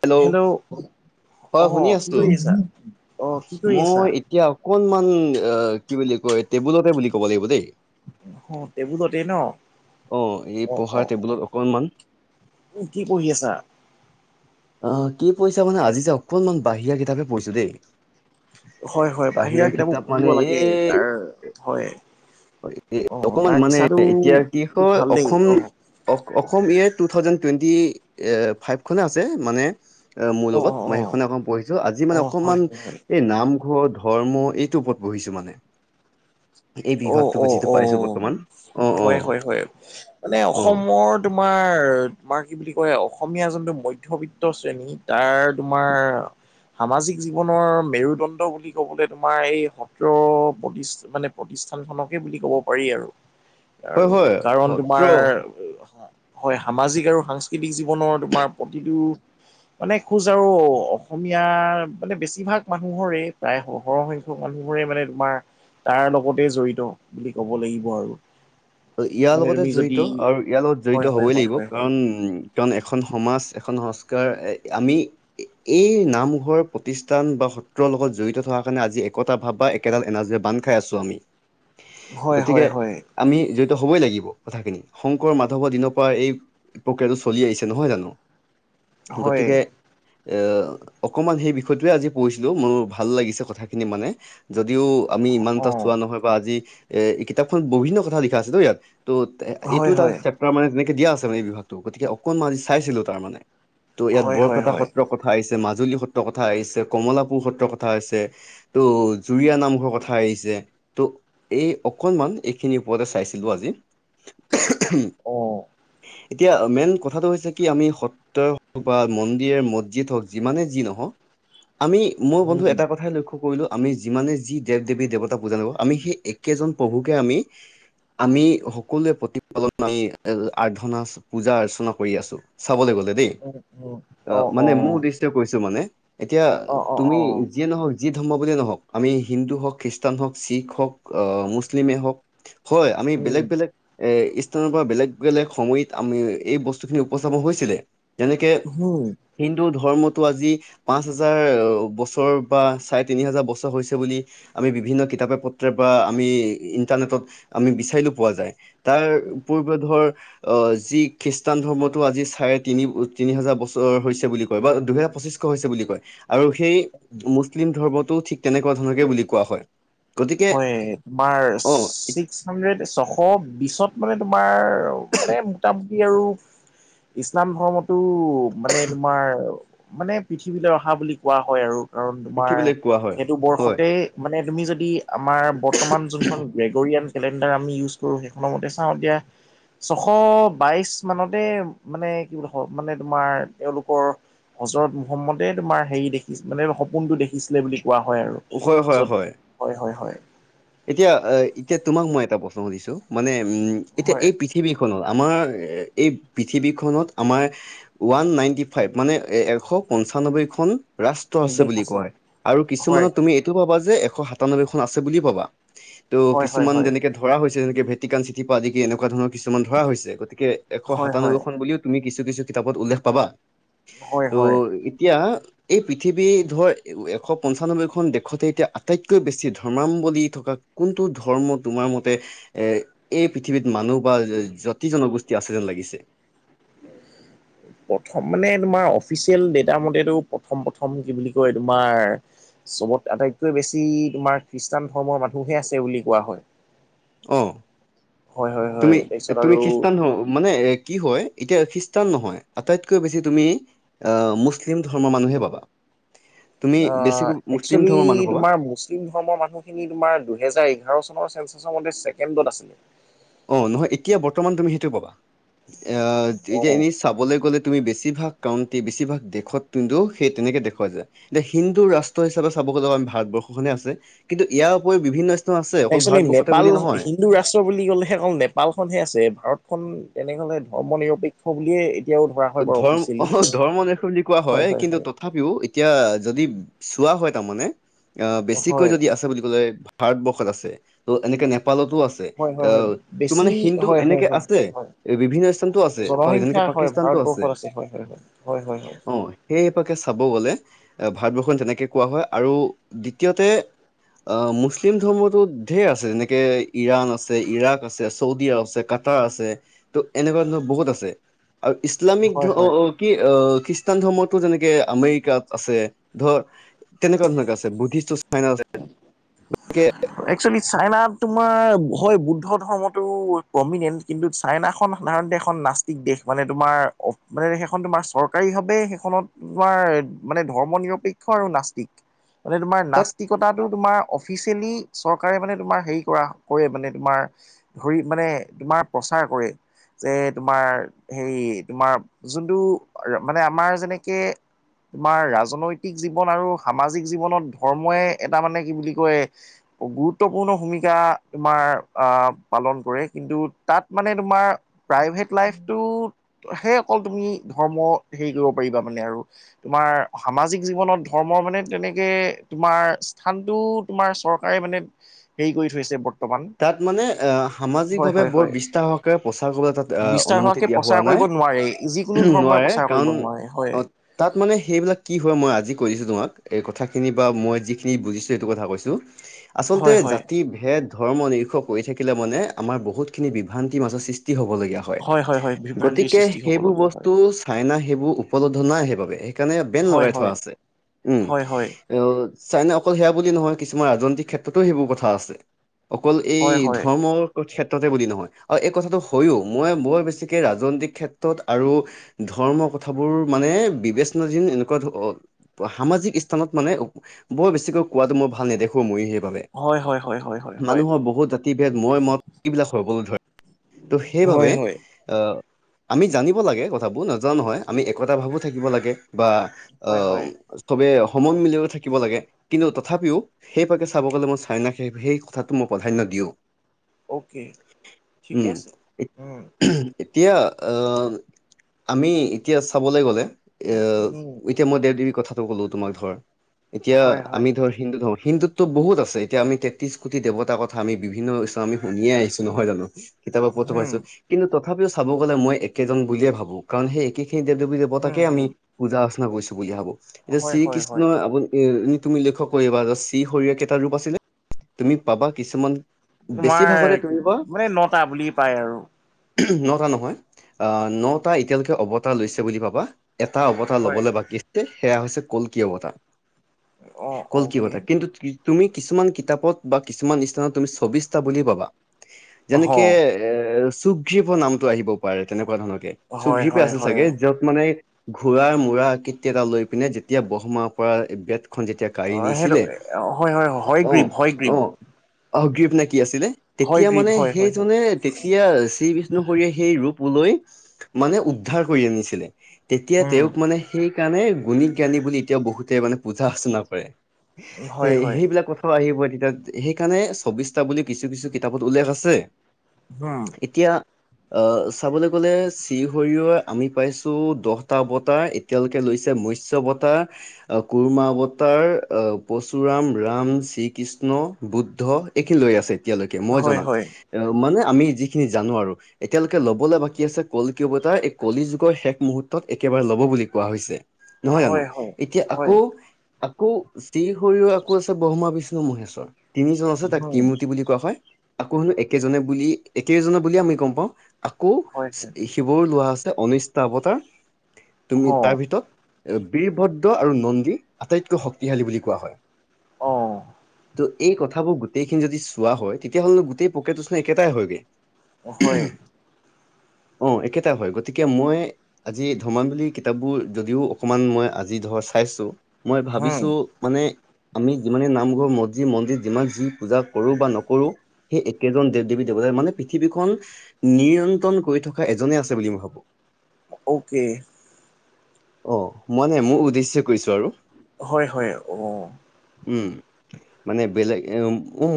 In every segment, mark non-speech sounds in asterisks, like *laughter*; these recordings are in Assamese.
হেল্ল', হয় অ শুনি কি আছো কৰি আছা অ কি কৰি আছা মই এতিয়াও অকনমান এ কি বুলি কয় টেবুলতে বুলি ক'ব লাগিব দেই। অ টেবুলতে ন অ, এই পঢ়াৰ টেবুলত অকনমান উম, কি পঢ়ি আছা? অ, কি পঢ়িছা মানে আজি যে অকনমান বাহিৰা কিতাপে পঢ়িছো দেই। হয়-হয় বাহিৰা কিতাপো কিতাপ পঢ়িব মানে লাগে এই তাৰ হয়। অ অকমান তাৰ মানে নিচাটো এতিয়া কি বহুত হয় ভাল দেই অসম অ Assam two thousand twenty five খনে আছে মানে এ মোৰ অ অ লগত মই অ সেইখনে অকমান পঢ়িছো আজি অ মানে হয় অকণমান হয় হয় এই নামঘৰ ধৰ্ম এইটোৰ ওপৰত পঢ়িছো মানে। এই অ বিভাগটো অ যিটো অ পাইছো বৰ্তমান অ', হয় অ', হয় হয় মানে অ', অসমৰ তোমাৰ তোমাৰ কি বুলি কয় অসমীয়া যোনটো মধ্যবিত্ত শ্ৰেণী তাৰ তোমাৰ সামাজিক জীৱনৰ মেৰুদণ্ড বুলি ক'বলে তোমাৰ এই সত্ৰ *unintelligible* মানে প্ৰতিষ্ঠান খনকে বুলি ক'ব পাৰি আৰু হয় -আৰু হয় কাৰণ সত্ৰ তোমাৰ হয় সামাজিক আৰু সাংস্কৃতিক জীৱনৰ তোমাৰ প্ৰতিটো মানে কুজ আৰু অসমীয়াৰ মানে বেছিভাগ মানুহৰে প্ৰায় সৰ সংখ্য মানুহবোৰে মানে তোমাৰ তাৰ লগতে জড়িত বুলি ক'ব লাগিব আৰু। ইয়াৰ মানে লগতে তুমি যদি জড়িত আৰু ইয়াৰ লগত জড়িত হয় হয় হবই হয় লাগিব হয় হয় কাৰণ উম, কাৰণ এখন সমাজ এখন সংস্কাৰ আমি এই নামঘৰ প্ৰতিষ্ঠান বা সত্ৰৰ লগত জড়িত থকাৰ কাৰণে আজি একতা ভাৱ বা একেডাল এনাৰজিৰে বান্ধ খাইছো আমি। *inaudible* হয় গতিকে হয় হয় আমি জড়িত হ'বই লাগিব কথাখিনি শংকৰ মাধৱৰ দিনৰ পৰা এই প্ৰক্ৰিয়াটো চলি আহিছে নহয় জানো হয় গতিকে এ অকমান সেই বিষয়টোৱে আজি পঢ়িছিলো মোৰ ভাল লাগিছে কথাখিনি মানে যদিও আমি ইমান অ এটা চোৱা নহয় বা আজি এ এই কিতাপখন বিভিন্ন কথা লিখা আছেটো ইয়াত ত' এইটো হয় এটা হয় চেপ্তাৰ মানে তেনেকে দিয়া আছে মানে এই বিভাগটো গতিকে অকনমান আজি চাইছিলো তাৰ মানে ত' ইয়াত হয় হয় বৰপেটা হয় সত্ৰৰ কথা আহিছে, মাজুলী সত্ৰৰ কথা আহিছে, কমলাপুৰ সত্ৰৰ কথা আহছে ত' জুৰিয়া নামঘৰ কথা আহিছে ত' এই অকনমান এইখিনি ওপযাচি চাইছিলো আজি *unintelligible* অ এতিয়া মেইন কথাটো হৈছে কি আমি স ত্ৰ বা মন্দিৰে মছজিদ হওক যিমানে যি নহওক আমি মোৰ বন্ধু উম এটা কথাই লক্ষ্য কৰিলোঁ আমি যিমানে যি দেৱ দেৱী দেৱতা পূজা নকৰো আমি সেই একেজন প্ৰভুকে আমি আমি সকলোৱে প্ৰতিপালন *unintelligible* আৰধনা আছে। পূজা -অৰ্চনা কৰি আছো চাবলে গলে দেই উম উম অ অ মানে -মানে মোৰ উদেশ্য তে, কৈছো মানে এতিয়া অ অ অ তুমি যিয়ে নহওক যি ধৰ্ম বুলিয়েই নহওক আমি হিন্দু হওক, খ্ৰীষ্টান হওক, শিখ হওক মুছলিমেই হওক। হয় আমি উম বেলেগ -বেলেগ এ ইষ্টেনৰ পৰা বেলেগ- বেলেগ সময়িত আমি- এই বস্তুখিনি উপস্থাপন হৈছিলে। যেনেকে উম হিন্দু ধৰ্মটো আজি পাঁচ হাজাৰ বছৰ পা চাৰে তিনি হাজাৰ বছৰ হৈছে বুলি আমি বিভিন্ন কিতাপে পত্ৰই পা আমি ইন্টাৰনেটত আমি বিচাৰিলেও পোৱা যায় তাৰ উপৰ্ব ধৰ অ, যি খ্ৰীষ্টান ধৰ্মটো আজি চাৰে তিনি -তিনি হাজাৰ বছৰৰ হৈছে বুলি কয় বা দুহেজাৰ পঁচিছ- কৈছে বুলি কয় আৰু সেই মুছলিম ধৰ্মটো ঠিক তেনেকুৱা ধৰণকে বুলি কোৱা হয়। গতিকে হয় তোমাৰ অ ছিক্স হানৰেদ ছশ বিছত মানে তোমাৰ মানে মোটামুটি আৰু ইছলাম ধৰ্মতো মানে তোমাৰ মানে পৃথিৱীলৈ অহা বুলি কোৱা হয় আৰু কাৰণ তোমাৰ পৃথিৱীলৈ কোৱা হয় সেইটো হয় বৰ্ষতেই মানে তুমি যদি আমাৰ বৰ্তমান যোনখন গেগৰিয়ান কেলেণ্ডাৰ আমি ইউজ কৰোঁ সেইখননৰ মতে চাওঁ এতিয়া ছশ বাইশ মানতে মানে কি বুলি মানে তোমাৰ এওঁলোকৰ বছৰত মহম্মদে তোমাৰ হেৰি দেখি মানে সপোনটো দেখিছিলে বুলি কোৱা হয় আৰু। হয়-হয় য'ত -হয়। হয় হয় এতিয়া আহ, এতিয়া তোমাক মই এটা প্ৰশ্ন সুধিছো মানে উম এতিয়া হয় এই পি পৃথিৱীখনো আমাৰ এই পৃথিৱীখনত আমাৰ ওৱান নাইনটি ফাইভ মানে এশ পঞ্চানব্বৈখন ৰাষ্ট্ৰ আছে বুলি কয় আৰু হয় কিছুমানত তুমি এইটো পাবা যে এশ সাতানব্বৈ খন আছে বুলি পাবা। ত' হয় হয় কিছুমান হয় যেনেকে ধৰা হৈছে যেনেকে ভেটিকান চিটি পৰা আদি কি এনেকুৱা ধৰণৰ কিছুমান ধৰা হৈছে গতিকে এশ হয় হয় সাতানবৈখন বুলিও তুমি কিছু -কিছু কিতাপত উল্লেখ পাবা হয় ত' হয় এতিয়া এই পৃথিৱী ধৰ এশ পঞ্চানব্বৈ এখন দেশতে এতিয়া আটাইতকৈ বেছি ধৰ্মাৱলম্বী থকা কোনটো ধৰ্ম তোমাৰ মতে এ এই পৃথিৱীত মানুহ বা জাতি জনগোষ্ঠী আছে যেন লাগিছে? প্ৰথম মানে তোমাৰ অফিচিয়েল ডেটা মতেটো প্ৰথম- প্ৰথম কি বুলি কয় তোমাৰ চবত আটাইতকৈ বেছি তোমাৰ খ্ৰীষ্টান ধৰ্মৰ মানুহে আছে বুলি কোৱা হয়। অ, হয় হয় হয় তুমি তাৰপিছত -তুমি আৰু খ্ৰীষ্টান ধৰ্ম মানে ৰেক কি হয় এতিয়া খ্ৰীষ্টান নহয় আটাইতকৈ বেছি তুমি আহ, মুছলিম ধৰ্মৰ মানুহে পাবা। তুমি অ, বেছিকৈ মুছলিম একচুলি ধৰ্মৰ মানুহ পাবা তোমাৰ মুচ *unintelligible* ধৰ্মৰ মানুহখিনি তোমাৰ দুহেজাৰ এঘাৰ চনৰ চেন্ঞ্চাছৰ মতে ছেকেণ্ডত আছিলে। অ, নহয় এতিয়া বৰ্তমান তুমি সেইটো পাবা এ এতিয়া এ চাবলে গ'লে তুমি বেছিভাগ কাউন্টে বেছিভাগ দেশত কিন্তু সেই তেনেকে দেখোৱা যায়। এতিয়া হিন্দু ৰাষ্ট্ৰ হিচাপে চাব গ'লে আমি ভাৰতবৰ্ষখনে আছে কিন্তু ইয়াৰ উপৰি বিভিন্ন স্থান আছে অকল একচুলি ভাৰতবৰ্ষতে নেপাল বুলি নহয়। হিন্দু ৰা *unintelligible* বুলি ক'লেহে অকল নেপালখনহে আছে ভাৰতখন তেনে হলে ধৰ্ম নিৰপেক্ষ বুলিয়ে এতিয়াও ধৰা হয় বাৰু ধৰ্ম অফিচিয়েলি অহ, ধৰ্মদেশ বুলি কোৱা হয় কিন্তু ত তথাপিও এতিয়া যদি চোৱা হয় তাৰমানে অহ, বেছিকৈ হয় যদি আছে বুলি *unintelligible* ভাৰতবৰ্ষত আছে ত' এনেকে নেপ নেপালতো আছে হয় হয় হয় *unintelligible* ত' বেছি মানে হিন্দু হয় হয় এনেকে হয় আছে হয় বিভিন্ন স্থানতো আছে যেনকে জনসংখ্যা হয় পাকিস্তান ভাৰতবৰ্ষত আছে হয় -হয় -হয় -হয় -হয়- হয়। অ, সেইপাকে চাব গ'লে এ ভাৰতবৰ্ষখন তেনেকে কোৱা হয় আৰু দ্বিতীয়তে অ, মুছলিম ধৰ্মটো ঢেৰ আছে যেনেকে ইৰাণ আছে, ইৰাক আছে, চৌদি আছে ক কাত্ৰা আছে ত' এনেকুৱা ধৰণৰ বহুত আছে আৰু হয় ইছলামিক হয় অ', হয় অ ', কি অ, খ্ৰীষ্টান ধৰ্মটো যেনেকে আমেৰিকাত আছে ধৰ তেনেকুৱা ধৰণকে আছে বুদ্ধিষ্ট চাইনা আছে গতিকে একচুৱেলি চাইনাত তোমাৰ হয় বুদ্ধ ধৰ্মটো পমিনেণ্ট কিন্তু চাইনাখন সাধাৰণতে এখন নষ্টিক দেশ মানে তোমাৰ মানে সেইখন তোমাৰ চৰকাৰীভাৱে সেইখনত তোমাৰ মানে ধৰ্ম নিৰপেক্ষ আৰু নাস্তিক। মানে তোমাৰ তাত নাস্তিকতাটো তোমাৰ অফিচিয়েলি- চৰকাৰে মানে তোমাৰ হেৰি কৰা কৰে মানে তোমাৰ ধৰি মানে তোমাৰ প্ৰচাৰ কৰে। যে তোমাৰ হেৰি তোমাৰ যোনটো মানে আমাৰ যেনেকে তোমাৰ ৰাজনৈতিক জীৱন আৰু সামাজিক জীৱনত ধৰ্মই এটা মানে কি বুলি কয় গুৰুত্বপূৰ্ণ ভূমিকা তোমাৰ আহ পালন কৰে কিন্তু তাত মানে তোমাৰ প্ৰাইভেট লাইফটো সেই অকল তুমি ধৰ্ম হেৰি কৰিব পাৰিবা মানে আৰু। তোমাৰ সামাজিক জীৱনত ধৰ্ম মানে তেনেকে তোমাৰ স্থানটো তোমাৰ চৰ প্ৰায় মানে হেৰি কৰি থৈছে ব তাত মানে এ সামাজিকভাৱে হয় বৰ হয় বিস্তাৰহোৱাকে প্ৰচাৰ কৰা তাত বিস্তাৰ অনুমতি হোৱাকে তেতিয়া প্ৰচাৰ হোৱা কৰিব নোৱাৰে যিকোনো নাই ধৰ্মই নোৱাৰে প্ৰচাৰ কৰিব কাৰণ নোৱাৰে হয় অ তাত মানে সেইবিলাক কি হয় মই আজি কৈ দিছো তোমাক এই কথাখিনি বা মই যিখিনি বুজিছো এইেইটো কথা কৈছো *inaudible* আচলতে হয় জাতি ভেদ ধৰ্ম নিৰীক্ষ থাকিলে মানে আমাৰ বহুতখিনি বিভ্ৰান্তিৰ মাজত সৃষ্টি হ'বলগীয়া হয়। হয় বিভ্ৰান্তিৰ গতিকে সৃষ্টি সেইবোৰ হ'বলগীয়া হয় বস্তু চাইনা সেইবোৰ উপলব্ধ নাই সেইবাবে সেইকাৰণে বেন হয় লগাই থোৱা হয় আছে। উম, হয় হয় ইয় চাইনা অকল সেয়া বুলি নহয় কিছুমান ৰাজনৈতিক ক্ষেত্ৰতো সেইবোৰ কথা আছে। অকল এই হয় হয় ধৰ্মৰ ক্ষেত্ৰতে বুলি নহয় আৰু এই কথাটো হয়য়ো মই বৰ বেছিকে ৰাজনৈতিক ক্ষেত্ৰত আৰু ধৰ্ম কথাবোৰ মানে বিবেচনা যিন এনেকুৱা ধ সামাজিক স্থানত মানে বৰ বেছিকৈ কোৱাতটো মই ভাল নেদেখো মই সেইবাবে। হয়-হয়- হয়-হয়। মানুহৰ বহুত জাতি ভেদ *unintelligible* হবলৈ ধৰে ত' হয় সেইবাবে হয় এ আমি জানিব লাগে কথাবোৰ নজোৱা নহয় আমি একতা ভাবো থাকিব লাগে বা হয় অম, হয় চবে সময় মিলি থাকিব লাগে। কিন্তু তথাপিও সেই পাকে চাব গ'লে মই চাইনাক সেই সেই কথাটো মই প্ৰাধান্য দিওঁ। অ'কে উম, ঠিকে আছে উম উমহ। এতিয়া আহ আমি এতিয়া চাবলে গ'লে এ উম এতিয়া মই দেৱ দেৱী কথাটো ক'লো তোমাক ধৰ এতিয়া হয় হয় আমি ধৰ হিন্দু ধৰ্ম। হিন্দুত্ব বহুত আছে এতিয়া আমি তেত্ৰিছ কুটি দেৱতা কথা আম বিভিন্ন স্থানত আমি শুনিয়ে আহিছো নহয় জানো কিতাপৰ পথ হুম পাইছো। কিন্তু তথাপিও চাব গ'লে মই একেজন বুলিয়ে ভাবোঁ। কাৰণ সেই একেখিনি দেৱ দেৱী হুম দেৱতাকে আমি হুম পূজা অৰ্চনা কৰিছোঁ বুলি ভাবোঁ। এতিয়া হয় হয় হয় শ্ৰীকৃষ্ণই আপু এই এনেই তুমি লক্ষ্য কৰিবা যে শ্ৰী হৰিয় কেইটা ৰূপ আছিলে? তুমি পাবা কিছুমান তোমাৰ বেছিভাগতে তুমি পা মানে নটা বুলি পাই আৰু। উমহ নটা নহয় আহ নটা এতিয়ালৈকে অৱতাৰ লৈছে বুলি পাবা। এটা অৱতাৰ হয় ল'বলৈ বাকী আছে সেয়া হৈছে কলকি অৱতাৰ। অ কলকি অকে অৱতাৰ, কিন্তু কি তুমি কিছুমান কিতাপত বা কিছুমান স্থানত তুমি চৌবিশটা বুলিয়ে পাবা। হ যেনেকে এ চুগ্ৰীপৰ নামটো আহিব পাৰে। তেনেকুৱা ধৰণৰকে হয় চুগ্ৰীপে হয় আছিল হয় চাগে য'ত মানে ঘোঁৰাৰ মূৰা আকৃতি এটা লৈ পিনে যেতিয়া ব্ৰক্ষ্মাৰ পৰা বেদখন যেতিয়া কাঢ়ি অঁ সেইটো অঁ হয় হয় হয়গ্ৰীৱ হয় অঁ, গ্ৰীপ অঁ সুগ্ৰীপ নে কি আছিলে? হয় তেতিয়া গ্ৰীপ মানে হয় হয় হয় সেইজনে তেতিয়া শ্ৰী বিষ্ণু বিষ্ণু হৰিয়ে সেই ৰূপ লৈ মানে উদ্ধাৰ কৰি আনিছিলে। তেতিয়া উম তেওঁক মানে সেইকাৰণে গুণিত জ্ঞানী বুলি এতিয়াও বহুতে মানে পূজা অৰ্চনা কৰে। যে হয় হয় সেইবিলাক কথা আহিব তেতিয়া সেইকাৰণে চৌবিশটা বুলি কিছু কিছু কিতাপত উল্লেখ আছে। হোম। এতিয়া অহ চাবলৈ গ'লে শ্ৰী হৰিয় আমি পাইছোঁ দহটা অৱতাৰ এ এতিয়ালৈকে লৈছে মৎস্য অৱতাৰ, আহ কুুৰ্মা অৱতাৰ, আহ পৰশুৰাম, ৰাম শ্ৰী কৃষ্ণ, কৃষ্ণ, বুদ্ধ এইখিনি লৈ আছে এতিয়ালৈকে মই হয় জনাত। হয় এ মানে আমি যিখিনি জানো আৰু। এতিয়ালৈকে ল'বলে বাকী আছে কলকি অৱটাৰ, এই কলি যুগৰ শেষ মুহূৰ্ত্তত একেবাৰে ল'ব বুলি কোৱা হৈছে। নহয় জানো? হয় হয় এতিয়া হয় আকৌ আ আকৌ শ্ৰী হৰিও আকৌ আছে ব্ৰহ্মা, বিষ্ণু, মহেশ্বৰ তিনিজন আছে। তাক উম ত্ৰিমূৰ্তি বুলি কোৱা হয়। আকৌ শুনো একেজনে বুলি একেজনে বুলিয়ে আমি গম পাওঁ। আকৌ হয় হয় শ্ৰী শিৱৰো লোৱা আছে ঊনৈশটা অৱতাৰ, হ তুমি তাৰ ভিতৰত এ বীৰভদ্ৰ আৰু নন্দী আটাইতকৈ শক্তিশালী বুলি কোৱা হয়। অঁহ। তো এই কথাবোৰ গোটেইখিনি যদি চোৱা হয়, তেতিয়া হ'লেনো গোটেই প্ৰক্ৰিয়াটো চোন একেটাই হয়গে। হয়, উমহ, অঁ একেটাই হয়। গতিকে মই আজি ধৰ্মাৱলী কিতাপবোৰ যদিও অকণমান মই আজি ধৰ চাইছোঁ। মই হুম, ভাবিছোঁ মানে আমি যিমানে নামঘৰ, মছজিদ, মন্দিৰ যিমান যি পূজা কৰোঁ বা নকৰোঁ সেই একেজন দেৱ দেৱী দেৱতাই মানে পৃথিৱীখন - নিয়ন্ত্ৰণ কৰি থকা এজনে আছে বুলি মই ভাবোঁ। অ'কে। অঁ মই মানে মোৰ উদ্দেশ্যে কৈছোঁ আৰু। হয় হয় অঁ। উম। মানে বেলেগ এ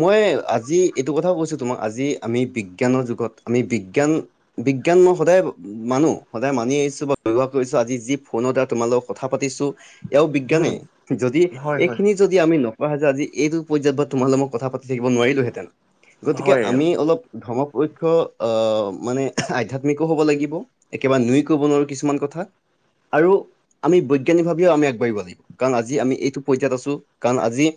মই আজি এইটো কথাও কৈছোঁ তোমাক আজি আমি বিজ্ঞানৰ যুগত আমি বিজ্ঞান বিজ্ঞান মই সদায় মানো সদায় মানি আহিছোঁ বা ব্যৱহাৰ কৰিছোঁ, আজি যি ফোনত আ তোমাৰ লগত কথা পাতিছো। এয়াও বিজ্ঞানে। হুম, যদি হয়, হয়, এইখিনি যদি আমি নোপোৱা হয় যে আজি এইটো পৰ্যায়ত বা তোমাৰ লগত কথা পা তি থাকিব নোৱাৰিলোঁ হেঁতেন। গতিকে হয়, আমি অলপ ধৰ্ম পক্ষ আহ মানে আহ আধ্যাত্মিকো হ'ব লাগিব। একেবাৰে নুই ক'ব নোৱাৰোঁ কিছুমান কথা আৰু আমি বৈজ্ঞানিক ভাৱেও আমি আগবাঢ়িব লাগিব। কাৰণ আজি আমি এইটো পৰ্যায়ত আছোঁ কাৰণ আজি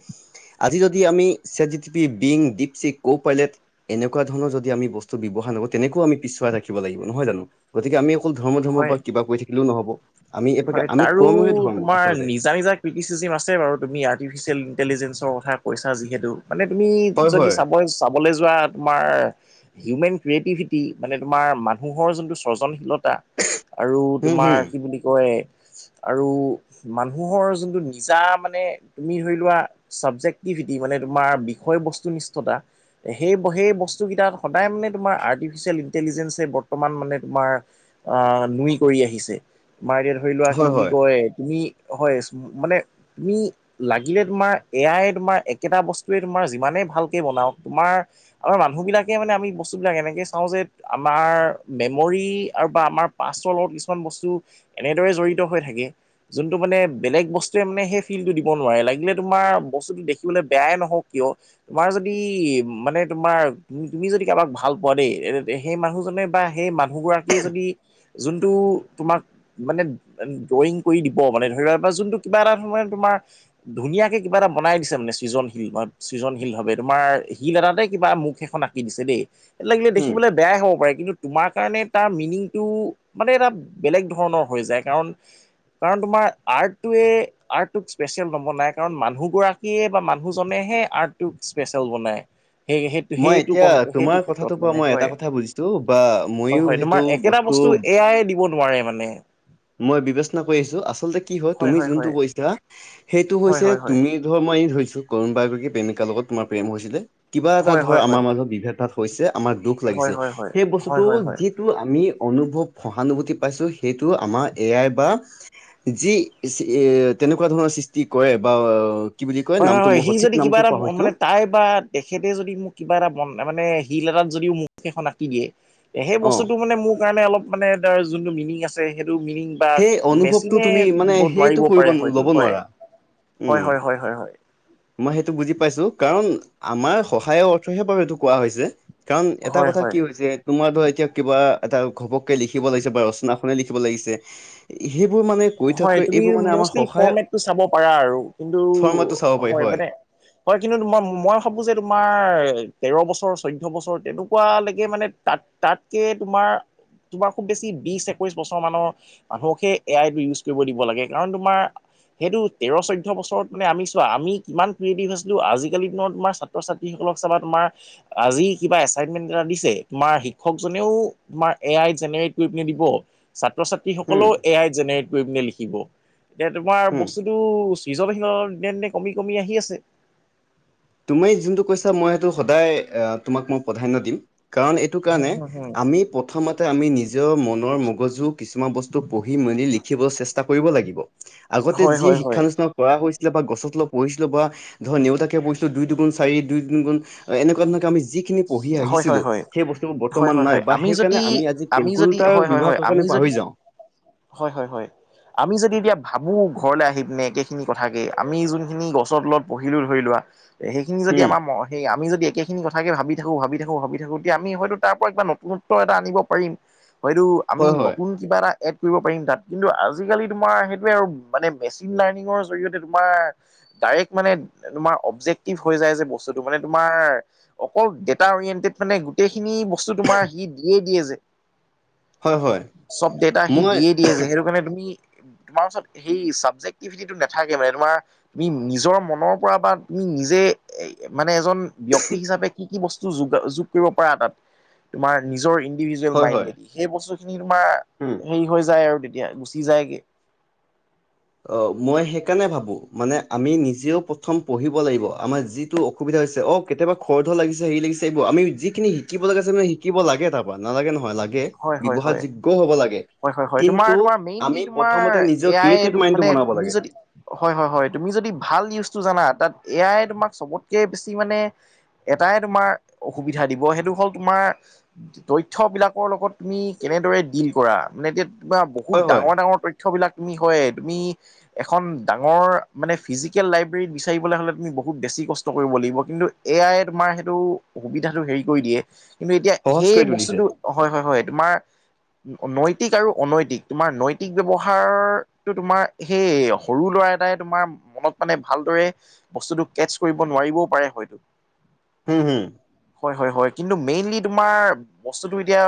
আজি যদি আমি set G P T, Bing, DeepSeek, Copilot, এনেকুৱা ধৰণৰ যদি আমি বস্তু ব্যৱহাৰ নকৰোঁ, তেনেকৈও আমি পিছুৱাই ৰাখিব লাগিব নহয় জানো? গতিকে আমি অকল ধৰ্ম ধৰ্মৰ হয়, পৰা কিবা কৰি থাকিলেও নহ'ব। আমি এইভাগে হয়, আমি তাৰো কৰ্মই ধৰ্ম তোমাৰ আচলতে। নিজা নিজা কৃটিছিজিম আছে বাৰু তুমি আৰ্টিফিচিয়েল ইণ্টেলিজেঞ্চৰ কথা কৈছা যিহেতু। মানে তুমি হয় যদি হয়, চাব চাবলৈ যোৱা তোমাৰ হিউমেন ক্ৰিয়েটিভিটি মানে তোমাৰ মানুহৰ যোনটো সজনশীলতা। আৰু হুম হুম, তোমাৰ কি বুলি কয় আৰু মানুহৰ যোনটো নিজা মানে তুমি ধৰি লোৱা চাবজেক্টিভিটি মানে তোমাৰ বিষয়বস্তু নিষ্ঠতা। সেই ব সেই বস্তুকেইটাত সদায় মানে তোমাৰ আৰ্টিফিচিয়েল ইণ্টেলিজেঞ্চে বৰ্তমান মানে তোমাৰ আহ নুই কৰি আহিছে। আমাৰ এতিয়া ধৰি লোৱা কি হয় বুলি হয়, কয় তুমি হয় মানে তুমি লাগিলে তোমাৰ এয়াই তোমাৰ একেটা বস্তুৱে তোমাৰ যিমানেই ভালকে বনাৱক তোমাৰ আমাৰ মানুহবিলাকে মানে আমি বস্তু বিলাক এনেকে চাওঁ যে আমাৰ মেমৰি আৰু বা আমাৰ পাষ্টৰ লগত কিছুমান বস্তু এনেদৰে জড়িত হৈ থাকে। যোনটো মানে বেলেগ বস্তুৱে মানে সেই ফিলটো দিব নোৱাৰে। লাগিলে তোমাৰ বস্তুটো দেখিবলে বেয়াই নহওঁক কিয়? তোমাৰ যদি মানে তোমাৰ তু তুমি যদি কাবাক ভাল পোৱা দেই সেই মানুহজনে বা সেই মানুহগৰাকীয়ে যদি যোনটো তোমাক মানে ড্ৰয়িং কৰি দিব মানে ধৰি লোৱা বা যোনটো কিবা এটা ধৰণে তোমাৰ ধুনীয়াকে কিবা এটা বনাই দিছে মানে সৃজনশীল সৃজনশীল ভাৱে তোমাৰ শিল এটাতে কিবা মুখ এখন আঁকি দিছে দেই। লাগিলে হুম। দেখিবলে বেয়াই হ'ব পাৰে। কিন্তু তোমাৰ কাৰণে তাৰ মিনিংটো মানে এটা বেলেগ ধৰণৰ হৈ যায়। কাৰণ কাৰণ তোমাৰ আৰ্টোৱে আৰ্টটোক স্পেচিয়েল নম্বৰ নাই। কাৰণ মানুহ গৰাক কীয়ে বা মানুহজনেহে আৰ্টটোক স্পেচিয়েল বনাই। সেই সেই মই সেইটো ক এতিয়া সেইটো তোমাৰ ক্ষেত্ৰত কথাটোৰ পৰা মানে মই এটা হয়, কথা বুজিছোঁ বা ময়ো হয় সেইটো তোমাৰ এ কেটা বস্তু এয়াই দিব নোৱাৰে মানে। মই বিবেচনা কৰি আছোঁ। আচলতে কি হয় তুমি যোনটো কৈছা সেইটো হয় হৈছে হয় হয় তুমি ধৰ মই এই ধৰিছো কৰুণবা এগৰাকী প্ৰেমিকাৰ লগত তোমাৰ প্ৰেম হৈছিলে। কিবা এটা হয় ধৰ হয় হয় আমাৰ মাজত বিভেদ ভাদ হৈছে আমাৰ দুখ হয় হয় হয় লাগিছে। হয় সেই হয় বস্তুটো হয় হয় যি যিটো আমি অনুভৱ সহানুভূতি পাইছোঁ, সেইটো আমাৰ এ আই বা যি যি এ তেনেকুৱা ধৰণৰ সৃষ্টি কৰে বা কি বুলি কয় হয় হয় নামটো হয়, মই সি সঠিক যদি কিবা নামটো এটা পাহৰিছো মানে তাই বা তেখেতে যদি মোক কিবা এটা মন মানে শিল এটাত যদিও মুখ এখন আঁকি দিয়ে। সেই অ বস্তুটো মানে মোৰ কাৰণে অলপ মানে তাৰ যোনটো মিনিং আছে, সেইটো মিনিং বাত সেই অনুভৱটো মেচিনে তুমি মানে দিব সেইটো নোৱাৰিবও কৰিব পাৰে ন- হয়টো ল'ব হয়। নোৱাৰা উম হয় হয় হয় হয় হয়। মই সেইটো বুজি পাইছোঁ কাৰণ আমাৰ সহায়ৰ অৰ্থহে বাৰু এইটো কোৱা হৈছে। কাৰণ এটা হয় কথা কি হয় হৈ যে তোমাৰ ধৰা এতিয়া কিবা এটা ঘপককে লিখিব লাগিছে বা ৰচনাখনে লিখিব লাগিছে। সেইবোৰ মানে কৰি হয় থকাতকৈ তুমি এইবোৰ মানে আমাৰ মোষ্টলি সহায় ফৰ্মেটটো চাব পাৰা আৰু কিন্তু শৰ্মাটো চাব পাৰি হয় মানে হয় কিন্তু মই ম মই ভাবোঁ যে তোমাৰ তেৰ বছৰ চৈধ্য বছৰ তেনেকুৱা লৈকে মানে তাত তাতকে তোমাৰ তোমাৰ খুব বেছি বিছ একৈছ বছৰ মানৰ মানুহকহে এ আই টো ইউজ কৰিব দিব লাগে। কাৰণ তোমাৰ সেইটো তেৰ চৈধ্য বছৰত মানে আমি চোৱা আমি কিমান ক্ৰিয়েটিভ আছিলো আজিকালিৰ দিনত তোমাৰ ছাত্ৰ -ছাত্ৰীসকলক চাবা তোমাৰ আজি কিবা এচাইনমেন্ট এটা দিছে তোমাৰ শিক্ষকজনেও তোমাৰ এ আই জেনেৰেট কৰি পিনে দিব ছাত্ৰ- হম ছাত্ৰীসকলেও এ আই জেনেৰেট। কৰি পনে লিখিব এতিয়া তোমাৰ হম বস্তুটো চিজন *unintelligible* দিনে- দিনে কমি -কমি আহি আছে। তুমি যোনটো কৈছা মই সেইটো সদায় এহ তোমাক মই প্ৰাধান্য দিম। কাৰণ এ এইটো হুম কাৰণে হুম হুম আমি প প্ৰথমতে আমি নিজৰ মনৰ মগজু কিছুমান বস্তু পঢ়ি মেলি লিখিবলৈ চেষ্টা কৰিব লাগিব। আগতে হয় যি হয় হয় শিক্ষানুষ্ঠানত কৰা হৈছিলে বা গছত তলত পঢ়িছিলোঁ বা ধৰ নেউতাকে পঢ়িছিলোঁ। দুই দুগুণ চাৰি দুই তিনিগুণ এনেকুৱা ধৰনক আমি যি খিনি পঢ়ি হয় হয় আহিছিলোঁ হয় সেই বস্তুোৰ হয় বৰ্তমান হয় হয় নাই বা আমি সেই যদি কাৰণে আমি আজি কেলকুলেটাৰ বিভাগ কাৰণে পাহৰি যাওঁ। হয়-হয়-হয়। আমি যদি এতিয়া ভাবো ঘৰলে আহি পিনে একেখিনি কথাকে আমি যোনখিনি গছৰ তলত পঢ়িলো ধৰি লোৱা সেইখিনি যদি উম, আমাৰ ম সেই আমি যদি একেখিনি কথাকে ভাবি থাকো ভাবি থাকো- ভাবি থাকো এতিয়া আমি হয়তো তাৰ পৰা কিবা নতুনত্ব এটা আনিব পাৰিম হয়তো আমি হয় হয়, নতুন কিবা এটা এড কৰিব পাৰিম তাত কিন্তু আজিকালি তোমাৰ সেইটোৱে আৰু মানে মেচিন লাৰ্ণিঙৰ জৰিয়তে তোমাৰ ডাইৰেক্ট মানে তোমাৰ অবজেক্টিভ হৈ যায় যে বস্তুটো মানে তোমাৰ অকল ডেটা অৰিয়েণ্টেড মানে গোটেইখিনি বস্তু তোমাৰ সি দিয়ে -দিয়ে যে হয় হয়, চব ডেটা সি মই দিয়েই দিয়ে যে সেইটো কাৰণে তুমি তোমাৰ ওচৰত সেই ছাবজেক্টিভিটিটো নাথাকে মানে তোমাৰ তুমি নিজৰ মনৰ পৰা বা তুমি নিজে মানে এজন ব্যক্তি হিচাপে কি -কি বস্তু যো -যোগ কৰিব পাৰা তাত তোমাৰ নিজৰ ইণ্ডিভিজুৱেল হয় হয়, মাইণ্ডেদি? সেই বস্তুখিনি তোমাৰ উম, হেই হৈ যায় আৰু তেতিয়া গুচি যায়গে। অ, মই সেইকাৰণে ভাবোঁ মানে আমি নিজেও প্ৰথম পঢ়িব লাগিব আমাৰ যিটো সুবিধা হৈছে অ, কেতিয়াবা খৰ ধৰ লাগিছে হেৰি লাগিছে এইবোৰ আমি জিখিনি শিকিব লগীয়া আছে ন‌, শিকিব লাগে তাৰমান কুৱা নালাগে নহয় লাগে হয় হয় হয় বিবহাৰযোগ্যও হ'ব লাগে। হয় -হয় -হয় তোমাৰ কিন্তু -তোমাৰ মেইনলি আমি তোমাৰ প্ৰথমতে নিজৰ এয়াই ক্ৰিয়েটিভ এইটো মাইণ্ডটো মানে বনাব তুমি লাগে যদি হয় -হয় -হয় তুমি যদি ভাল নিউজটো জানা তাত এয়াই তোমাক চবতকে বেছি মানে এটাই তোমাৰ অসুবিধা দিব সেইটো হ'ল তোমাৰ তথ্যবিলাক লগত তুমি কেনেদৰে ডিল কৰা মানে এতিয়া বহুত হয় হয় ডাঙৰ- ডাঙৰ তত তথ্যবিলাক তুমি হয় তুমি এখন ডাঙৰ মানে ফিজিকেল লাইব্ৰেৰী বিচাৰিবলৈ হ'লে তুমি বহুত বেছি কষ্ট কৰিব লাগিব কিন্তু এ আই য়ে তোমাৰ সেইটো সুবিধাটো হেৰি কৰি দিয়ে কিন্তু এতিয়া সহজ সেই কৰি তুলিছে বস্তুটো হয়- হয়- হয় তোমাৰ নৈতিক আৰু অনৈতিক তোমাৰ নৈতিক ব্যৱহাৰ তো তোমাৰ সেই সৰু ল'ৰা এটাই তোমাৰ মনত মানে ভালদৰে বস্তুটো কেটচ কৰিব নোৱাৰিবও পাৰে হয়তো। হম -হম। হয় -হয় -হয় কিন্তু মেইনলি তোমাৰ বস্তুটো এতিয়া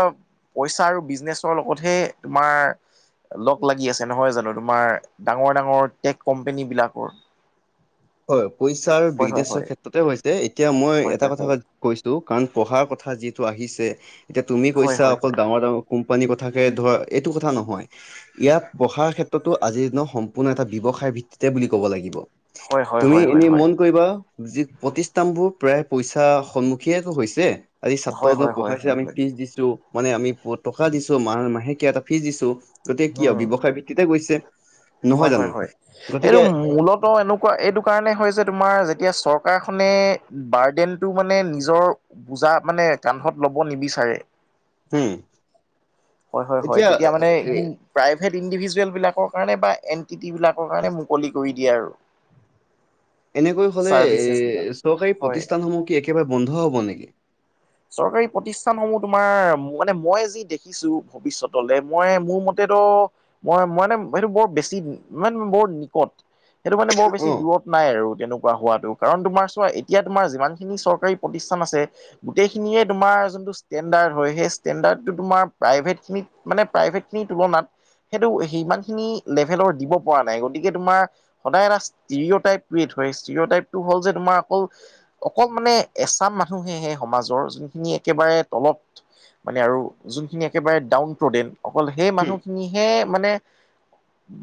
পইচা আৰু বিজনেচৰ লগতহে তোমাৰ লগ লাগি আছে নহয় জানো তোমাৰ ডাঙৰ- ডাঙৰ টেক কোম্পনী বিলাকৰ? হয় পইচা আৰু হয় হয় বিজনেছৰ হয় ক্ষেত্ৰতে হৈছে এতিয়া মই হয় এটা হয় হয় কথা কৈছো কাৰণ পঢ়াৰ কথা যিহেতু আহিছে এতিয়া তুমি হয় কৈছা হয় অকল ডাঙৰ- ডাঙৰ কোম্পানীৰ কথাকে ধৰ এইটো কথা নহয় ইয়াত পঢ়াৰ ক্ষেত্ৰতো আজিৰ নহ সম্পূৰ্ণ এটা ব্যৱহাৰ‌ ভিত্তিতে বুলি কব লাগিব। হয় হয় তুমি হয় হয় হয় এনে হয় মন কৰিবা যি প্ৰতিষ্ঠানবোৰৰ প্ৰাই পইছাৰ সন্মুখীন হৈছে। আজি হয় ছাত্ৰহতক হয় হয় পঢ়াইছে হয় আমি হয় ফিজ দিছো। মানে আমি বহুত টকা দিছো মাহ -মাহেকে এটা ফিজ দিছো। গতিকে কিয় উম বিৱসায় ভিত্তিতে গৈছে। নহয় হয় জানো হয় হয় এইটো গতিকে মূলত এনোক কোৱা এইটো কাৰণে হয় যে তোমাৰ যেতিয়া চৰকাৰখনে বাৰ্ডেনটো মানে নিজৰ বুজা মানে কান্ধত লব নিবিচাৰে। উম হয় হয় হয় এতিয়া তেতিয়া মানে সি প্ৰাইভেট ইণ্ডিভিজুৱেলবিলাকৰ কাৰণে বাই এন টি টি বিলাকৰ কাৰণে মুকলি কৰি দিয়ে আৰু। এনেকৈ হলে চাৰ্ভিচেছ বিলাক এ চৰকাৰী হয় প্ৰতিষ্ঠানসমূহ কি একেবাৰে বন্ধ হ'ব নেকি? চৰকাৰী প্ৰতিষ্ঠানসমূহ তোমাৰ মানে মই যি দেখিছো ভৱিষ্যতলে মই মোৰ মতেতো মই মানে এইটো বৰ বেছি মানে বৰ নিকট সেইটো মানে বৰ বেছি অ', দূৰত নাই আৰু তেনেকুৱা হোৱাটো কাৰণ তোমাৰ চোৱা এতিয়া তোমাৰ যিমানখিনি চৰকাৰী প্ৰতিষ্ঠান আছে। গোটেইখিনিয়ে তোমাৰ যোনটো ষ্টেণ্ডাৰ্ড হয় সেই ষ্টেণ্ডাৰ্ডটো তোমাৰ প্ৰাইভেটখিনিক মানে প্ৰাইভেট খিনিৰ তুলনাত সেইটো সিমান খিনি লেভেলৰ দিব পৰা নাই গতিকে তোমাৰ সদায় এটা ষ্টিৰ টাইপটোৱে কৰেট হয় ষ্টিৰ টাইপটো হল যে তোমাৰ অকল অকল মানে এচাম মানুহেহে সমাজৰ যোনখিনি একেবাৰে তলত মানে আৰু যোনখিনি একেবাৰে ডাউন প্ৰডেন অকল সেই হুম, মানুহখিনিহে মানে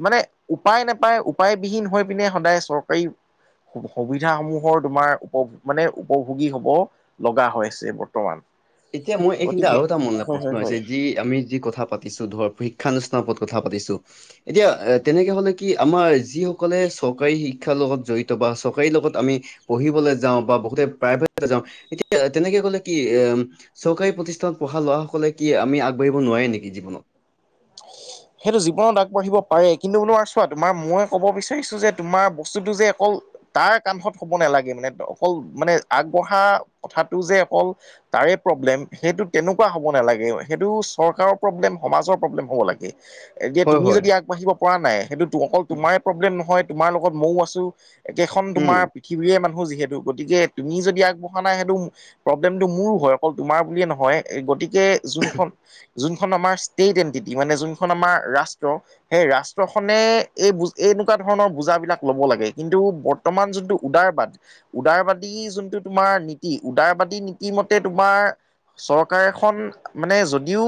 মানে উপায় নাপায় উপায়বিহীন হৈ পিনে সদায় চৰকাৰী সুবিধাসমূহৰ তোমাৰ উপভ মানে উপভোগী হব লগা হৈছে বৰ্ত- এতিয়া মই এইখিনতে আৰু এটা মন হয় হয় প্ৰশ্ন হয় হৈছে যি আমি যি কথা পাত- তিছো ধৰ প্ৰিক্ষানুষ্ঠানৰ ওপৰত কথা পাতিছো। এতিয়া তেনেকৈ হ'লে কি আমাৰ যিসকলে চৰকাৰী শিক্ষাৰ লগত জড়িত বা চৰকাৰী লগত আমি পঢ়িবলৈ যাওঁ বা বহুতে প্ৰাইভেট যাওঁ এতিয়া তেনেকে গলে কি এম চৰকাৰী প্ৰতিষ্ঠানত পঢ়া লোৱাসকলে কি আমি আগবাঢ়ি নোৱাৰে নেকি জীৱনত? সেইটো জীৱনত আগবাঢ়িব পাৰে কিন্তু মোনোৱাৰ চোৱা তোমাৰ মই ক'ব বিচাৰিছোঁ যে তোমাৰ বস্তুটো যে অকল তাৰ কান্ধত হ'ব নালাগে মানে অকল মানে আগবঢ়া কথাটো যে অকল তাৰে প্ৰব্লেম সেইটো তেনেকুৱা হ'ব নালাগে সেইটো চৰকাৰৰ প্ৰব্লেম সমাজৰ প্ৰব্লেম হ'ব লাগে। এতিয়া হয়, তুমি হয়, যদি আগবাঢ়িব পৰা নাই সেইটো অকল তোমাৰ প্ৰব্লেম নহয় তোমাৰ লগত মইও আছো। একেখন উম, তোমাৰ পৃথিৱীয়ে মানুহ যিহেতু গতিকে তুমি যদি আগবঢ়া নাই সেইটো প্ৰব্লেমটো মোৰ হয় অকল তোমাৰ বুলিয়ে নহয়। গতিকে যোনখন যোনখন আমাৰ ষ্টেট এণ্টিটি মানে যোনখন আমাৰ ৰাষ্ট্ৰ সেই ৰাষ্ট্ৰখনে এই বুজ এনেকুৱা ধৰণৰ বুজাবিলাক লব লাগে কিন্তু বত- বৰ্তমান যোনটো উদাৰবাদ উদাৰবাদী যোনটো তোমাৰ নীতি। উদাৰবাদী নীতি মতে তোমাৰ চৰকাৰ এখন মানে যদিও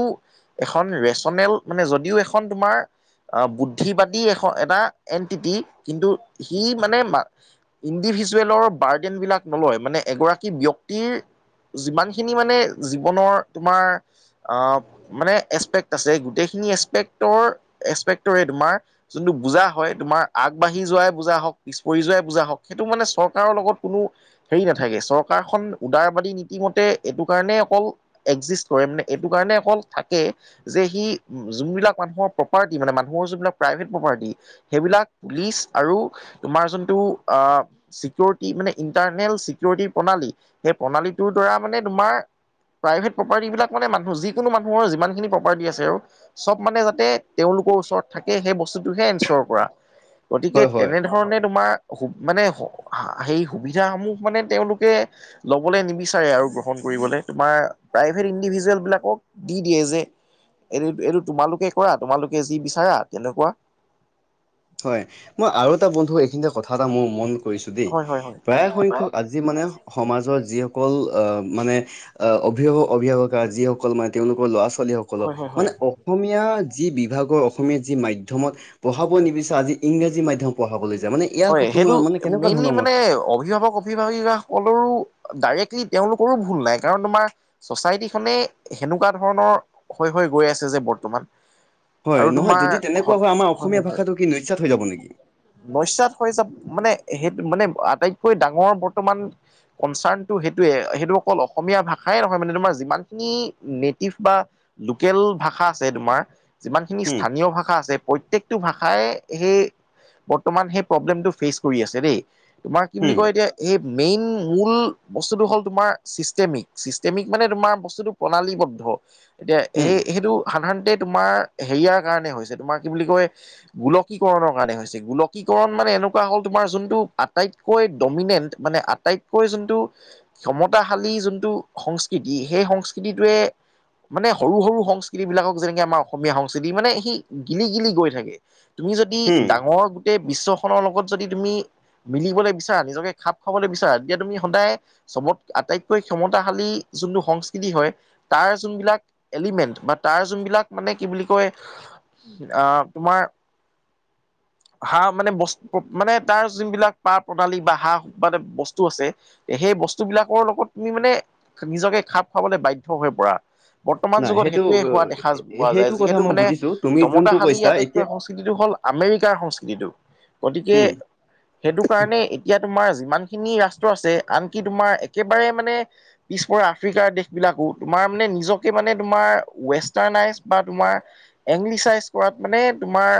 এখন ৰেচনেল মানে যদিও এখন তোমাৰ আহ বুদ্ধিবাদী এ এটা এণ্টিটি কিন্তু সি মানে মা- ইণ্ডিভিজুৱেলৰ বাৰ্ডেনবিলাক নলয় মানে এগৰাকী ব্যক্তিৰ যিমান খিনি মানে জীৱনৰ তোমাৰ আহ মানে এপেক্ট আছে গোটেইখিনি এচপেক্টৰ এপেক্টৰে তোমাৰ যোনটো বুজা হয় তোমাৰ আগবাঢ়ি যোৱাই বুজা হওক পিছ পৰি যোৱাই বুজা হওক সেইটো মানে চৰকাৰৰ লগত কোনো হেৰি নাথাকে চৰকাৰখন উদাৰবাদী নীতিমতে এইটো কাৰণে অকল একজিষ্ট কৰে মানে এইটো কাৰণে অকল থাকে যে সি যোনবিলাক মানুহৰ প্ৰপাৰ্টি মানে মানুহৰ যোনবিলাক প্ৰাইভেট প্ৰপাৰ্টি সেইবিলাক পুলিচ আৰু তোমাৰ যোনটো আ চিকিউৰিটি মানে ইণ্টাৰনেল চিকিউৰিটিৰ প্ৰণালী সেই প্ৰণালীটোৰ দ্বাৰা মানে তোমাৰ প্ৰাইভেট প্ৰপাৰ্টি বিলাক মানে মানুহ যিকোনো মানুহৰ যিমানখিনি প্ৰপাৰ্টি আছে আৰু চব মানে যাতে তেওঁলোকৰ ওচৰত থাকে সেই বস্তুটোহে এঞ্চৰ কৰা। গতিকে হয়, হয়। তেনেধৰণে তোমাৰ অসুব মানে সেই সুবিধাসমূহ মানে তেওঁলোকে ল'বলে নিবিচাৰে আৰু গ্ৰহণ কৰিবলে তোমাৰ প্ৰাইভেট ইণ্ডিভিজুৱেলবিলাকক দি দিয়ে যে এইটো- এইটো তোমালোকে কৰা তোমালোকে যি বিচাৰা তেনেকুৱা। হয় মই আৰু এটা বন্ধু এইখিনিতে কথা এটা মোৰ মন কৰিছো দেই হয় হয় হয় প্ৰায় সংখ্যক আজি মানে সমাজৰ যিসকল অ মানে আ অভিভাৱক অভিভাৱকা যিসকল মানে তেওঁলোকৰ ল'ৰা ছোৱালীসক- সকলক হয় হয় হয় মানে অসমীয়া যি বিভাগৰ অসমীয়া যি মাধ্যমত পঢ়াব নিবিচ- ত' আজি ইংৰাজী মাধ্যম পঢ়াবলৈ যায় মানে ইয়াৰ হয় ওপৰত তোমাৰ সেইটো মানে কেনেকুৱা মেইনলি ধৰণৰ মত মানে অভিভাৱক সক অভিভিকাসকলৰো ডাইৰেক্টলি তেওঁলোকৰো ভুল নাই কাৰণ তোমাৰ ছচাইটিখনে সেনেকুৱা ধৰণৰ হৈ- হৈ গৈ আছে যে বৰ্তমান। হয় আৰু নহয় তোমাৰ যদি তেনেকুৱা হয় আমাৰ অসমীয়া ভাষাটো কি নিশ্চাত হৈ যাব নেকি? নইচাত হৈ যাব মানে সেইটো মানে আটাইতকৈ ডাঙৰ বৰ্তমান কনচাৰ্ণটো সেইটোৱে সেইটো অকল অসমীয়া ভাষাই নহয় মানে তোমাৰ বাকী নেটিভ বা লোকেল ভাষা আছে তোমাৰ যিমানখিনি হুম স্থানীয় ভাষা আছে প্ৰত্যেকটো ভাষাই সেই বৰ্তমান সেই প্ৰব্লেমটো ফেচ কৰি আছে দেই তোমাৰ কি বুলি হুম কয় এতিয়া এই মেইন মূল বস্তুটো হ'ল তোমাৰ চিষ্টেমিক- চিষ্টেমিক মানে তোমাৰ বস্তুটো প্ৰণালীবদ্ধ এতিয়া হুম এই সেইটো সাধাৰণতে তোমাৰ হেৰিয়াৰ কাৰণে হৈছে তোমাৰ কি বুলি কয় গোলকীকৰণৰ কাৰণে হৈছে গোলকী তণ মানে এনেকুৱা হ'ল তোমাৰ যোনটো আটাইতকৈ ডমিনেন্ট মানে আটাইতকৈ যোনটো ক্ষমতাশালী যোনটো সংস্কৃতি হেই সংস্কৃতিটোৱে মানে সৰু -সৰু সংস্কৃতি বিলাকক যেনেকে আমাৰ অসমীয়া সংস্কৃতি মানে সি গিলি- গিলি গৈ থাকে। তুমি যদি হুম ডাঙৰ গোটেই বিশ্বখনৰ লগত যদি তুমি মিলিবলৈ বিচাৰা নিজকে খাপ খাবলৈ বিচাৰা তেতিয়া তুমি সদায় চবত আটাইতকৈ ক্ষমতাশালী যোনটো সংস্কৃতি হয় তাৰ যোনবিলাক এলিমেণ্ট বা তাৰ যোনবিলাক মানে কি বুলি কয় অ, তোমাৰ হা মানে বস্ত মানে তাৰ যোনবিলাক পাহ প্ৰণালী বা হা মানেবস্তু আছে এ সেই বস্তুবিলাকৰ লগত তুমি মানে নিজকে খাপ খোৱাবলৈ বাধ্য হৈ পৰা। বৰ্তমান নাই যুগত সেইটো সেইটোৱে হোৱা দেখা পোৱা যায় সেইটো কথা যিহেতু মই মানে বুজিছো তুমি যোনটো চমতাশালী কৈছা আটাইতকৈ এতিয়া সংস্কৃতিটো হ'ল আমেৰিকাৰ সংস্কৃতিটো গতিকে হুম সেইটো কাৰণে এ ইয়াত তোমাৰ যিমান খিনি ৰাষ্ট্ৰ আছে আনকি তোমাৰ একেবাৰে মানে ইচফৰ আফ্ৰিকাৰ দেশবিলাকো তোমাৰ মানে নিজকে মানে তোমাৰ ৱেষ্টাৰ্ণাইজ বা তোমাৰ এঙলিচাইজ কৰাত মানে তোমাৰ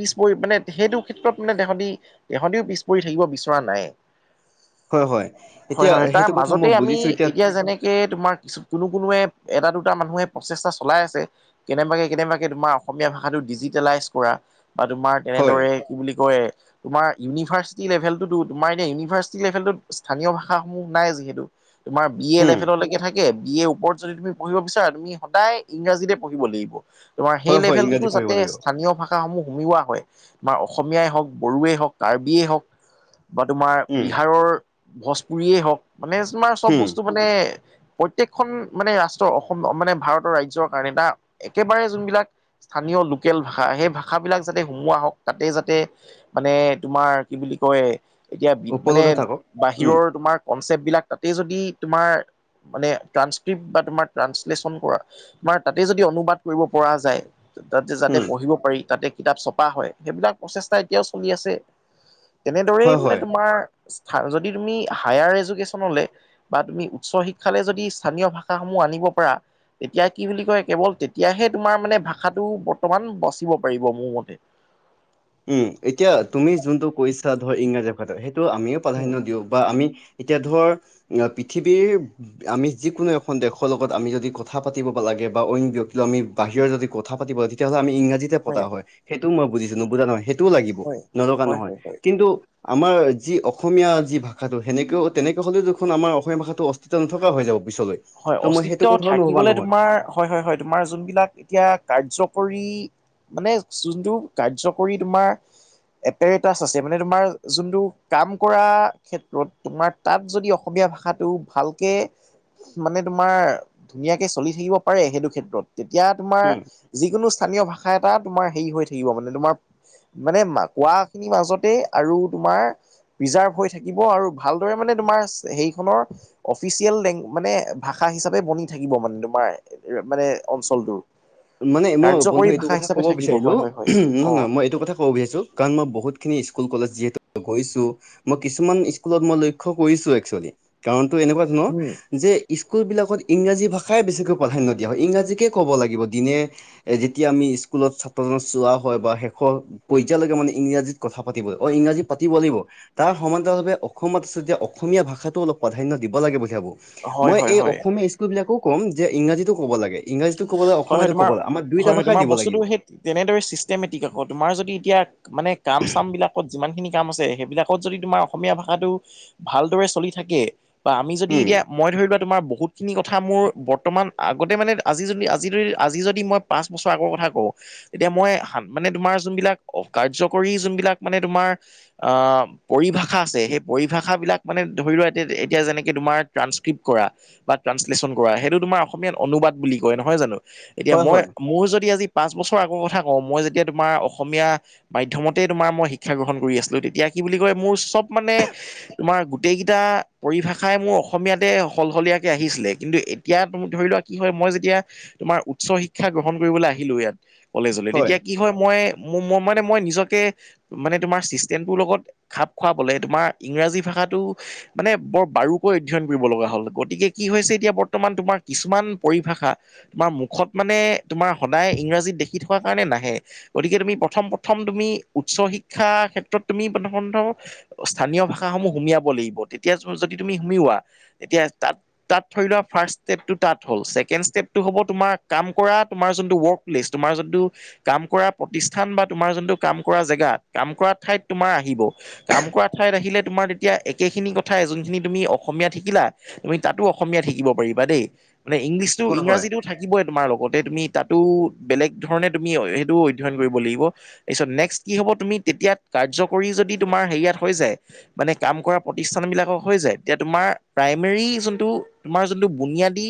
পিছ পৰি মানে সেইটো ক্ষেত্ৰত মানে তেহঁদি- তেহঁদিও পিছ পৰি থাকিব বিচৰা নাই। হয়, হয়। এতিয়া হয়-হয় তাৰ সেইটো কথা মাজতে মই আমি বুজিছো এতিয়া যেনেক কে তোমাক কিছু কোনো -কোনোৱে এটা, দুটা মানুহে প্ৰচেষ্টা চলাই আছে। কেনেবাকে -কেনেবাকে তোমাৰ অসমীয়া ভাষাটো ডিজিটেলাইজ কৰা বা তোমাৰ হয়, তেনেদৰে কি বুলি কয় তোমাৰ ইউনিভাৰ্চিটি লেভেলটোতো তোমাৰ এতিয়া ইউনিভাৰ্চিটি লেভেলটোত স্থানীয় ভাষাসমূহ নাই যিহেতু। তোমাৰ বি এ হুম, লেভেলৈকে থাকে। বি এ ওপৰত যদি তুমি পঢ়িব বিচাৰা তুমি সদায় ইংৰাজীতে পঢ়িব লাগিব। তোমাৰ সেই হয়, হয়, লেভেলটোতো ইংৰাজী পঢ়িব যাতে লাগিব। স্থানীয় ভাষাসমূহ সুমিওৱা হয়। তোমাৰ অসমীয়াই হওক, বড়োৱেই হওক, কাৰ্বিয়েই হওক, বা তোমাৰ উম, বিহাৰৰ ভোজপুৰিয়ে হওক মানে তোমাৰ চব হুম, বস্তু মানে প্ৰত্যেকখন মানে ৰাষ্ট্ৰ অসম মানে ভাৰতৰ ৰাজ্ৰৰ কাৰণে এটা একেবাৰে যোনবিলাক স্থানীয় লোকেল ভাষা সেই ভাষাবিলাক যাতে সোমোৱা হওক তাতে যাতে মানে তোমাৰ কি বুলি কয় এতিয়া বি মানে উপলব্ধ থাকক। উম, বাহিৰৰ তোমাৰ কনচেপ্ট বিলাক তাতেই যদি তোমাৰ মানে ট্ৰান্সক্ৰিপট বা তোমাৰ ট্ৰানঞ্চলেচন কৰা তোমাৰ তাতে যদি অনুবাদ কৰিব পৰা যায় তাতে যাতে হুম, পঢ়িব পাৰি তাতে কিতাপ চপ পা হয় সেইবিলাক প্ৰচেষ্টা এতিয়াও চলি আছে তেনেদৰেই হয়, মানে হয়। তোমাৰ যদি তুমি হায়াৰ এডুকেশ্যনলে বা তুমি উচ্চ শিক্ষালৈ যদি স্থানীয় ভাষাসমূহ আনিব পাৰা এতিয়া কি বুলি কয় কেৱল তেতিয়াহে তোমাৰ মানে ভাষাটো বৰ্তমান বচিব পাৰিব মোৰ মতে। উম, এতিয়া তুমি যোনটো কৈছা ধৰ ইংৰাজী ভাষাটো সেইটো আমিও উম, প্ৰাধান্য দিওঁ বা আমি এতিয়া ধৰ *unintelligible* পৃথিৱীৰ আমি যিকোনো এখন দেশৰ লগত আমি যদি কথা পাতিব লাগে বা অইন ব্যক্তি আমি বাহিৰৰ যদি কথা পাতিব লাগে তেতিয়াহ'লে আমি ইংৰাজী তে পতা হয় সেইটোও মই বুজিছো নুবুজা নহয় সেইটোও লাগিব হয়, নলগা হয়, নহয় হয়, হয়। কিন্তু আমাৰ যি অসমীয়া যি ভাষাটো সেনেকেও তেনেকে হলেও দেখোন আমাৰ অসমীয়া ভাষাটো অ তেতিয়া নথকা হৈ যাব পিছলৈ। হয় ত' মই অস্তিত্ব সেইটো কথাও নভবা থাকিবলে নহয় তোমাৰ হয়- হয় -হয় তোমাৰ যোনবিলাক এতিয়া কাৰ্যকৰী মানে যোনটো কাৰ্যকৰী তোমাৰ এপেৰেটাছ আছে মানে তোমাৰ যোনটো কাম কৰা ক্ষেত্ৰত তোমাক তাত যদি অসমীয়া ভাষাটো ভালকে মানে তোমাৰ ধুনীয়াকে চলি থাকিব পাৰে সেইটো ক্ষেত্ৰত তেতিয়া তোমাৰ উম যিকোনো স্থানীয় ভাষা এটা তোমাৰ হেৰি হৈ থাকিব মানে তোমাৰ মানে মা কোৱা খিনিৰ মাজতেই আৰু তোমাৰ প্ৰিজাৰ্ভ হৈ থাকিব আৰু ভালদৰে মানে তোমাৰ সেইখনৰ অফিচিয়েল লেং মানে ভাষা হিচাপে বনি থাকিব মানে তোমাৰ মানে অঞ্চলটোৰ। মানে মই বন্ধু কাৰ্যকৰী এইটো ভাষা কথা হিচাপে ক'ব থাকিব বিচাৰিলোঁ হয় হয় হয় অ নহয় -নহয় মই এইটো কথা *unintelligible* কাৰণ মই বহুতখিনি স্কুল, কলেজ যিহেতু গৈছোঁ। মই কিছুমান স্কুলত মই লক্ষ্য কৰিছো একচুৱেলি কাৰণ তো এনেকুৱা ন, উম যে স্কুল বিলাকত ইংৰাজী ভাষাই বেছিকৈ প্ৰাধান্য দিয়া হয় ইংৰাজীকে ক'ব লাগিব দিনে যেতিয়া আমি স্কুলত ছাত্ৰজনক চোৱা হয় বা শেষৰ পৰ্যয়াললৈকে মানে ইংৰাজীত কথা পাতিব অ, ইংৰাজীত পাতিব লাগিব। তাৰ সমান্তৰালভাৱে অসমত আছে যেতিয়া অসমীয়া ভাষাটো অলপ প্ৰাধান্য দিব লাগে *unintelligible* হয় মই হয় এই হয় অসমীয়া স্কুল বিলাকো কম যে ইংৰাজীতো ক'ব লাগে ইংৰাজীটো ক'ব লাগে হয় হয় অসমীয়াতো তোমাৰ ক'বলে আমাক দুইটা হয় হয় ভাষাই তোমাৰ দিব বস্তুটো লাগিব। সেই তেনেদৰে ছিষ্টেমেটিক আকৌ তোমাৰ যদি এতিয়া মানে কাম চাম বিলাকত যিমানখিনি কাম আছে সেইবিলাকত যদি তোমাৰ অসমীয়া ভাষাটো ভালদৰে চলি থাকে বা আমি যদি এতিয়া উম মই ধৰি লোৱা তোমাৰ বহুতখিনি কথা মোৰ বৰ্তমান আগতে মানে আজি যদি আ আজি যদি আজি যদি মই পাঁচ বছৰ আগৰ কথা কওঁ তেতিয়া মই মানে তোমাৰ যোনবিলাক কাৰ্যকৰী যোনবিলাক মানে তোমাৰ আহ পৰিভাষা আছে সেই পৰিভাষাবিলাক মানে ধৰি লোৱা এতিয়া যেনেকে তোমাৰ ট্ৰান্সক্ৰিপট কৰা বা ট্ৰাঞ্চলেচন কৰা সেইটো তোমাৰ অসমীয়াত অনুবাদ বুলি কয় নহয় জানো এতিয়া হয় মই হয় মোৰ যদি আজি পাঁচ বছৰ আগৰ কথা কওঁ মই যেতিয়া তোমাৰ অসমীয়া মাধ্যমতে তোমাৰ মই শিক্ষা গ্ৰহণ কৰি আছিলোঁ তেতিয়া কি বুলি কয় মোৰ চব মানে তোমাৰ গোটেইকেইটা পৰিভাষাই মোৰ অসমীয়াতে সলশলীয়াকে আহিছিলে কিন্তু এ এতিয়া তুমি ধৰি লোৱা কি হয় মই যেতিয়া তোমাৰ উচ্চ শিক্ষা গ্ৰহণ কৰিবলে আহিলোঁ ইয়াত কলেজলে তেতিয়া কি হয় মই মো-মো মানে মই নিজকে মানে তোমাৰ চিষ্টেমটোৰ লগত খাপ খুৱাবলে তোমাৰ ইংৰাজী ভাষাটো মানে বৰ বাৰুকৈ অধ্যয়ন কৰিব লগা হ'ল গতিকে কি হৈছে এতিয়া বৰ্তমান তোমাৰ কিছুমান পৰিভাষা তোমাৰ মুখত মানে তোমাৰ সদায় ইংৰাজীত দেখি থকাৰ কাৰণে নাহে। গতিকে তুমি প্ৰথম- প্ৰথম তুমি উচ্চ শিক্ষা ক্ষেত্ৰত তুমি প্ৰথম *unintelligible* অ, স্থানীয় ভাষাসমূহ সুমিয়াব লাগিব তেতিয়া যদি তুমি সুমিওৱা এতিয়া তাত- তাত ধৰি লোৱা ফাৰ্ষ্ট ষ্টেপ টো তাত হ'ল ছেকেণ্ড ষ্টেপ সিটো হ'ব তোমাক কাম কৰা তোমাৰ যোনটো ৱৰ্ক প্লেছ তোমাৰ যোনটো কাম কৰা প্ৰতিষ্ঠান বা তোমাৰ যোনটো কাম কৰা জেগা কাম কৰা ঠাইত তোমাৰ আহিব। কাম কৰা ঠাইত আহিলে তোমাৰ তেতিয়া একেখিনি কথা যোনখিনি তুমি অসমীয়াত শিকিলা তুমি তাতো অসমীয়াত শিকিব পাৰিবা দেই মানে ইংলিছটো হয় হয় ইংৰাজী তো থাকিবই তোমাৰ লগতে তুমি তাতো বেলেগ ধৰণে তুমি সেইটো অধ্যয়ন কৰিব লাগিব। এছত নেক্সট কি হব তুমি তেতিয়া কাৰ্যকৰী যদি তোমাৰ হেৰিয়াত হৈ যায় মানে কাম কৰা প্ৰতিষ্ঠান বিলাকক হৈ যায় তেতিয়া তোমাৰ প্ৰাইমেৰী যোনটো তোমাৰ যোনটো বুনিয়াদী